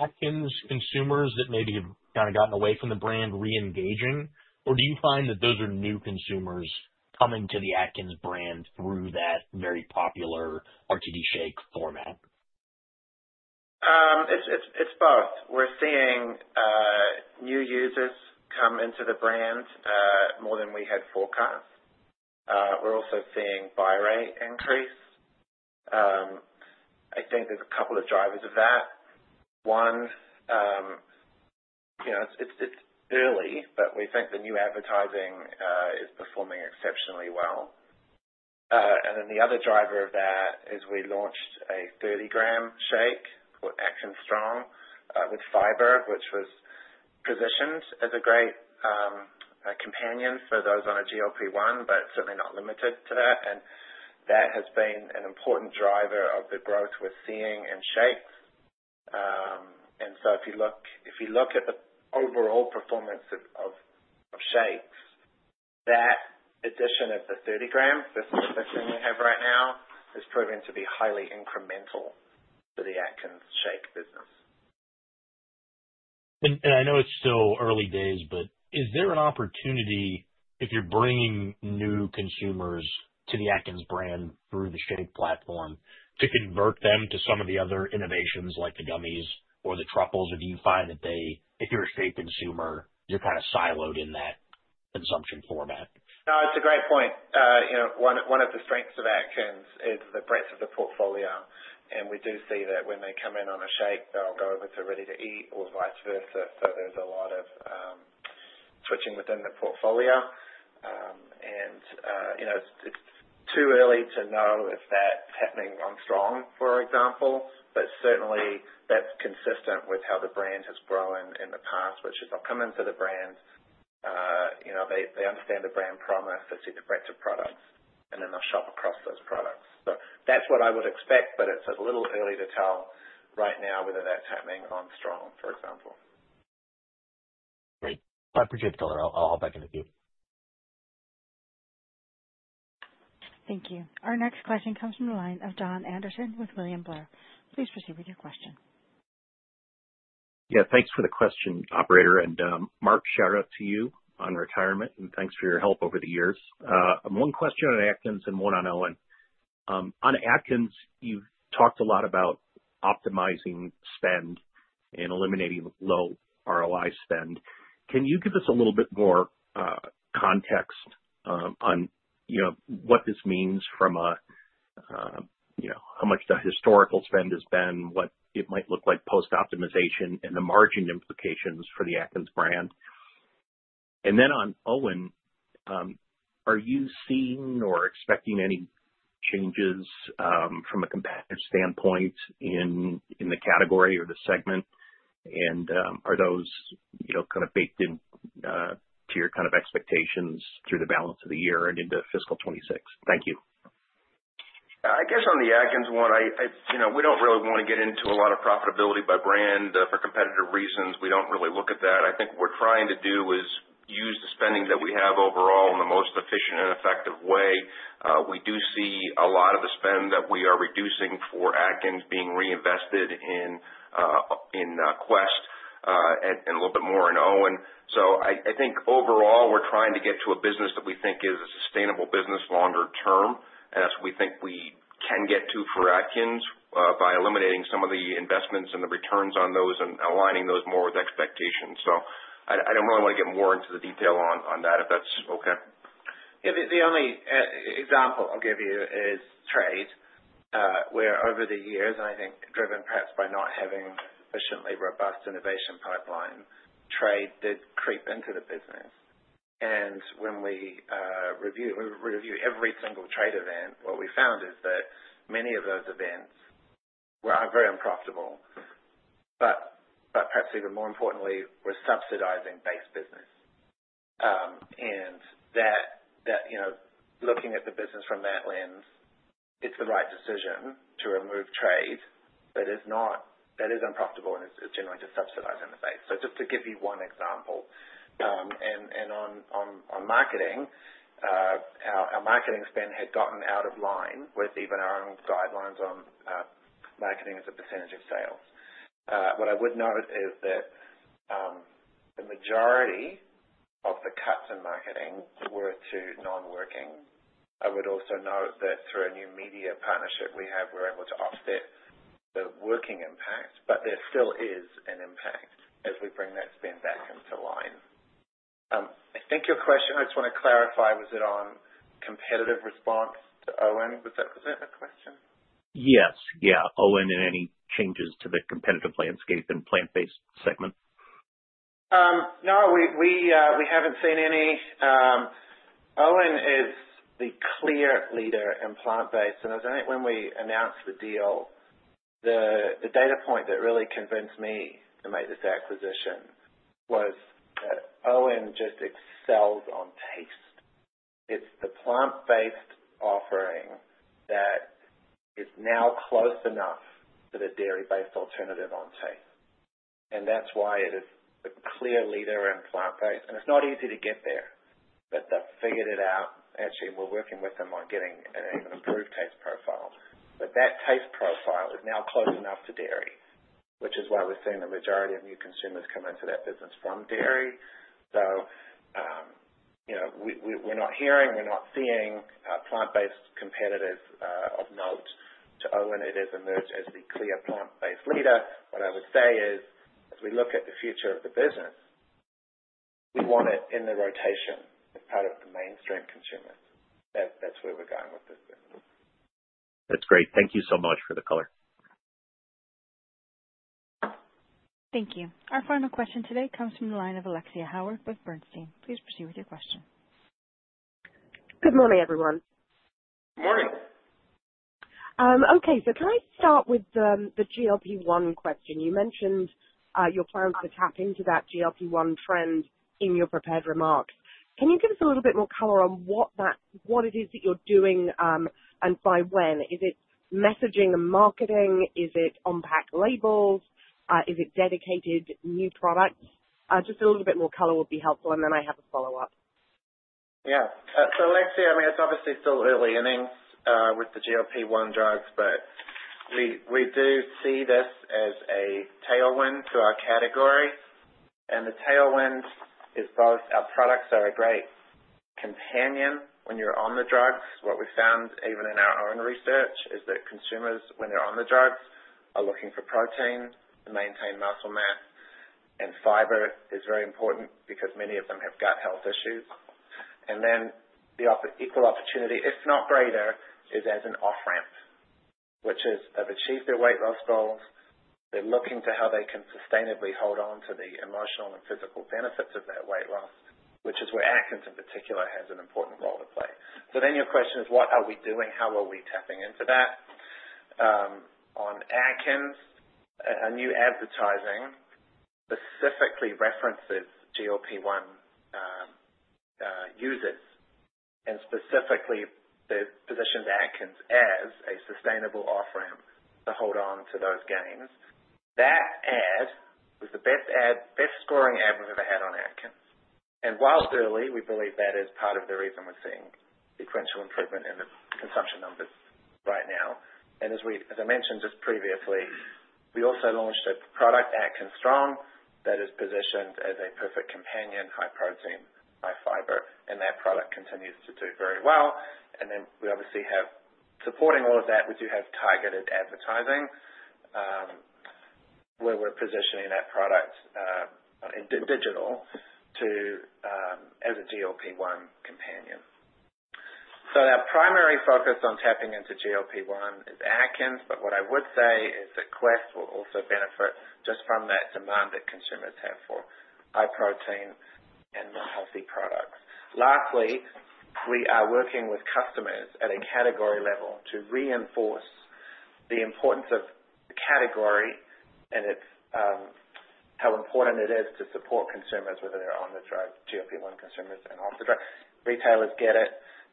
Atkins consumers that maybe have kind of gotten away from the brand re-engaging? Or do you find that those are new consumers coming to the Atkins brand through that very popular RTD shake format? It's both. We're seeing new users come into the brand more than we had forecast. We're also seeing buy rate increase. I think there's a couple of drivers of that. One, it's early, but we think the new advertising is performing exceptionally well. And then the other driver of that is we launched a 30-gram shake called Atkins Strong with fiber, which was positioned as a great companion for those on a GLP-1, but certainly not limited to that. And that has been an important driver of the growth we're seeing in shakes. And so if you look at the overall performance of shakes, that addition of the 30 grams, this is the best thing we have right now, has proven to be highly incremental to the Atkins shake business. I know it's still early days, but is there an opportunity if you're bringing new consumers to the Atkins brand through the shake platform to convert them to some of the other innovations like the gummies or the truffles? If you find that you're a shake consumer, you're kind of siloed in that consumption format? No, it's a great point. One of the strengths of Atkins is the breadth of the portfolio. And we do see that when they come in on a shake, they'll go over to ready-to-eat or vice versa. So there's a lot of switching within the portfolio. And it's too early to know if that's happening on Strong, for example, but certainly, that's consistent with how the brand has grown in the past, which is they'll come into the brand, they understand the brand promise, they see the breadth of products, and then they'll shop across those products. So that's what I would expect, but it's a little early to tell right now whether that's happening on Strong, for example. Great. I appreciate it. I'll back into queue. Thank you. Our next question comes from the line of John Anderson with William Blair. Please proceed with your question. Yeah. Thanks for the question, operator. And Mark, shout out to you on retirement, and thanks for your help over the years. One question on Atkins and one on OWYN. On Atkins, you've talked a lot about optimizing spend and eliminating low ROI spend. Can you give us a little bit more context on what this means from how much the historical spend has been, what it might look like post-optimization, and the margin implications for the Atkins brand? And then on OWYN, are you seeing or expecting any changes from a competitive standpoint in the category or the segment? And are those kind of baked into your kind of expectations through the balance of the year and into fiscal '26? Thank you. I guess on the Atkins one, we don't really want to get into a lot of profitability by brand for competitive reasons. We don't really look at that. I think what we're trying to do is use the spending that we have overall in the most efficient and effective way. We do see a lot of the spend that we are reducing for Atkins being reinvested in Quest and a little bit more in OWYN. So I think overall, we're trying to get to a business that we think is a sustainable business longer term. And that's what we think we can get to for Atkins by eliminating some of the investments and the returns on those and aligning those more with expectations. So I don't really want to get more into the detail on that, if that's okay. Yeah. The only example I'll give you is trade, where over the years, and I think driven perhaps by not having a sufficiently robust innovation pipeline, trade did creep into the business. And when we review every single trade event, what we found is that many of those events were very unprofitable, but perhaps even more importantly, were subsidizing base business. And looking at the business from that lens, it's the right decision to remove trade, but that is unprofitable, and it's generally just subsidizing the base. So just to give you one example. And on marketing, our marketing spend had gotten out of line with even our own guidelines on marketing as a percentage of sales. What I would note is that the majority of the cuts in marketing were to non-working. I would also note that through a new media partnership we have, we're able to offset the working impact, but there still is an impact as we bring that spend back into line. I think your question, I just want to clarify, was it on competitive response to OWYN? Was that the question? Yes. Yeah. OWYN and any changes to the competitive landscape and plant-based segment? No, we haven't seen any. OWYN is the clear leader in plant-based. And I think when we announced the deal, the data point that really convinced me to make this acquisition was that OWYN just excels on taste. It's the plant-based offering that is now close enough to the dairy-based alternative on taste. And that's why it is the clear leader in plant-based. And it's not easy to get there, but they've figured it out. Actually, we're working with them on getting an even improved taste profile. But that taste profile is now close enough to dairy, which is why we're seeing the majority of new consumers come into that business from dairy. So we're not hearing, we're not seeing plant-based competitors of note. To OWYN, it has emerged as the clear plant-based leader. What I would say is, as we look at the future of the business, we want it in the rotation as part of the mainstream consumers. That's where we're going with this business. That's great. Thank you so much for the color. Thank you. Our final question today comes from the line of Alexia Howard with Bernstein. Please proceed with your question. Good morning, everyone. Morning. Okay. So can I start with the GLP-1 question? You mentioned your plans to tap into that GLP-1 trend in your prepared remarks. Can you give us a little bit more color on what it is that you're doing and by when? Is it messaging and marketing? Is it unpacked labels? Is it dedicated new products? Just a little bit more color would be helpful, and then I have a follow-up. Yeah. So Alexia, I mean, it's obviously still early innings with the GLP-1 drugs, but we do see this as a tailwind to our category. And the tailwind is both our products are a great companion when you're on the drugs. What we found, even in our own research, is that consumers, when they're on the drugs, are looking for protein to maintain muscle mass, and fiber is very important because many of them have gut health issues. And then the equal opportunity, if not greater, is as an off-ramp, which is they've achieved their weight loss goals. They're looking to how they can sustainably hold on to the emotional and physical benefits of that weight loss, which is where Atkins in particular has an important role to play. So then your question is, what are we doing? How are we tapping into that? On Atkins, our new advertising specifically references GLP-1 users and specifically positions Atkins as a sustainable off-ramp to hold on to those gains. That ad was the best scoring ad we've ever had on Atkins. And while early, we believe that is part of the reason we're seeing sequential improvement in the consumption numbers right now. And as I mentioned just previously, we also launched a product at Atkins Strong that is positioned as a perfect companion, high protein, high fiber. And that product continues to do very well. And then we obviously have supporting all of that, we do have targeted advertising where we're positioning that product digital as a GLP-1 companion. So our primary focus on tapping into GLP-1 is Atkins, but what I would say is that Quest will also benefit just from that demand that consumers have for high protein and more healthy products. Lastly, we are working with customers at a category level to reinforce the importance of the category and how important it is to support consumers, whether they're on the drug, GLP-1 consumers, and off the drug. Retailers get it.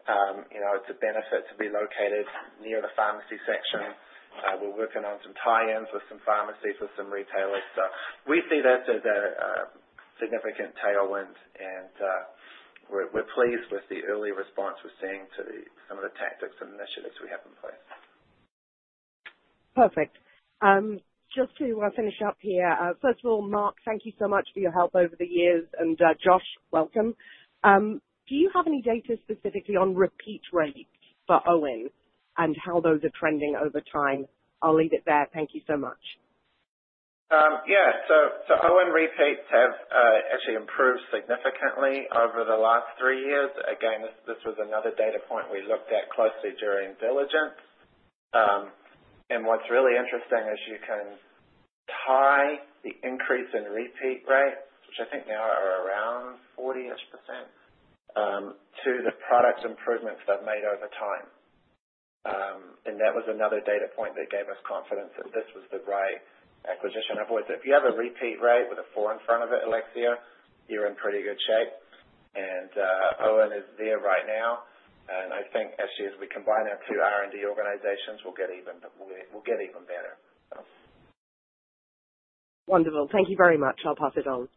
It's a benefit to be located near the pharmacy section. We're working on some tie-ins with some pharmacies, with some retailers. So we see this as a significant tailwind, and we're pleased with the early response we're seeing to some of the tactics and initiatives we have in place. Perfect. Just to finish up here, first of all, Mark, thank you so much for your help over the years. And Geoff, welcome. Do you have any data specifically on repeat rates for OWYN and how those are trending over time? I'll leave it there. Thank you so much. Yeah. So OWYN repeats have actually improved significantly over the last three years. Again, this was another data point we looked at closely during diligence. And what's really interesting is you can tie the increase in repeat rates, which I think now are around 40-ish%, to the product improvements they've made over time. And that was another data point that gave us confidence that this was the right acquisition. I've always said, if you have a repeat rate with a four in front of it, Alexia, you're in pretty good shape. And OWYN is there right now. And I think actually, as we combine our two R&D organizations, we'll get even better. Wonderful. Thank you very much. I'll pass it on.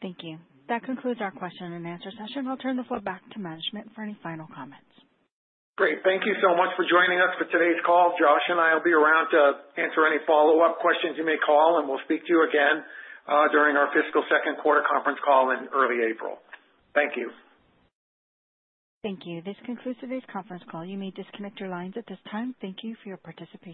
Thank you. That concludes our question and answer session. I'll turn the floor back to management for any final comments. Great. Thank you so much for joining us for today's call, Geoff and I. I'll be around to answer any follow-up questions you may have, and we'll speak to you again during our fiscal second quarter conference call in early April. Thank you. Thank you. This concludes today's conference call. You may disconnect your lines at this time. Thank you for your participation.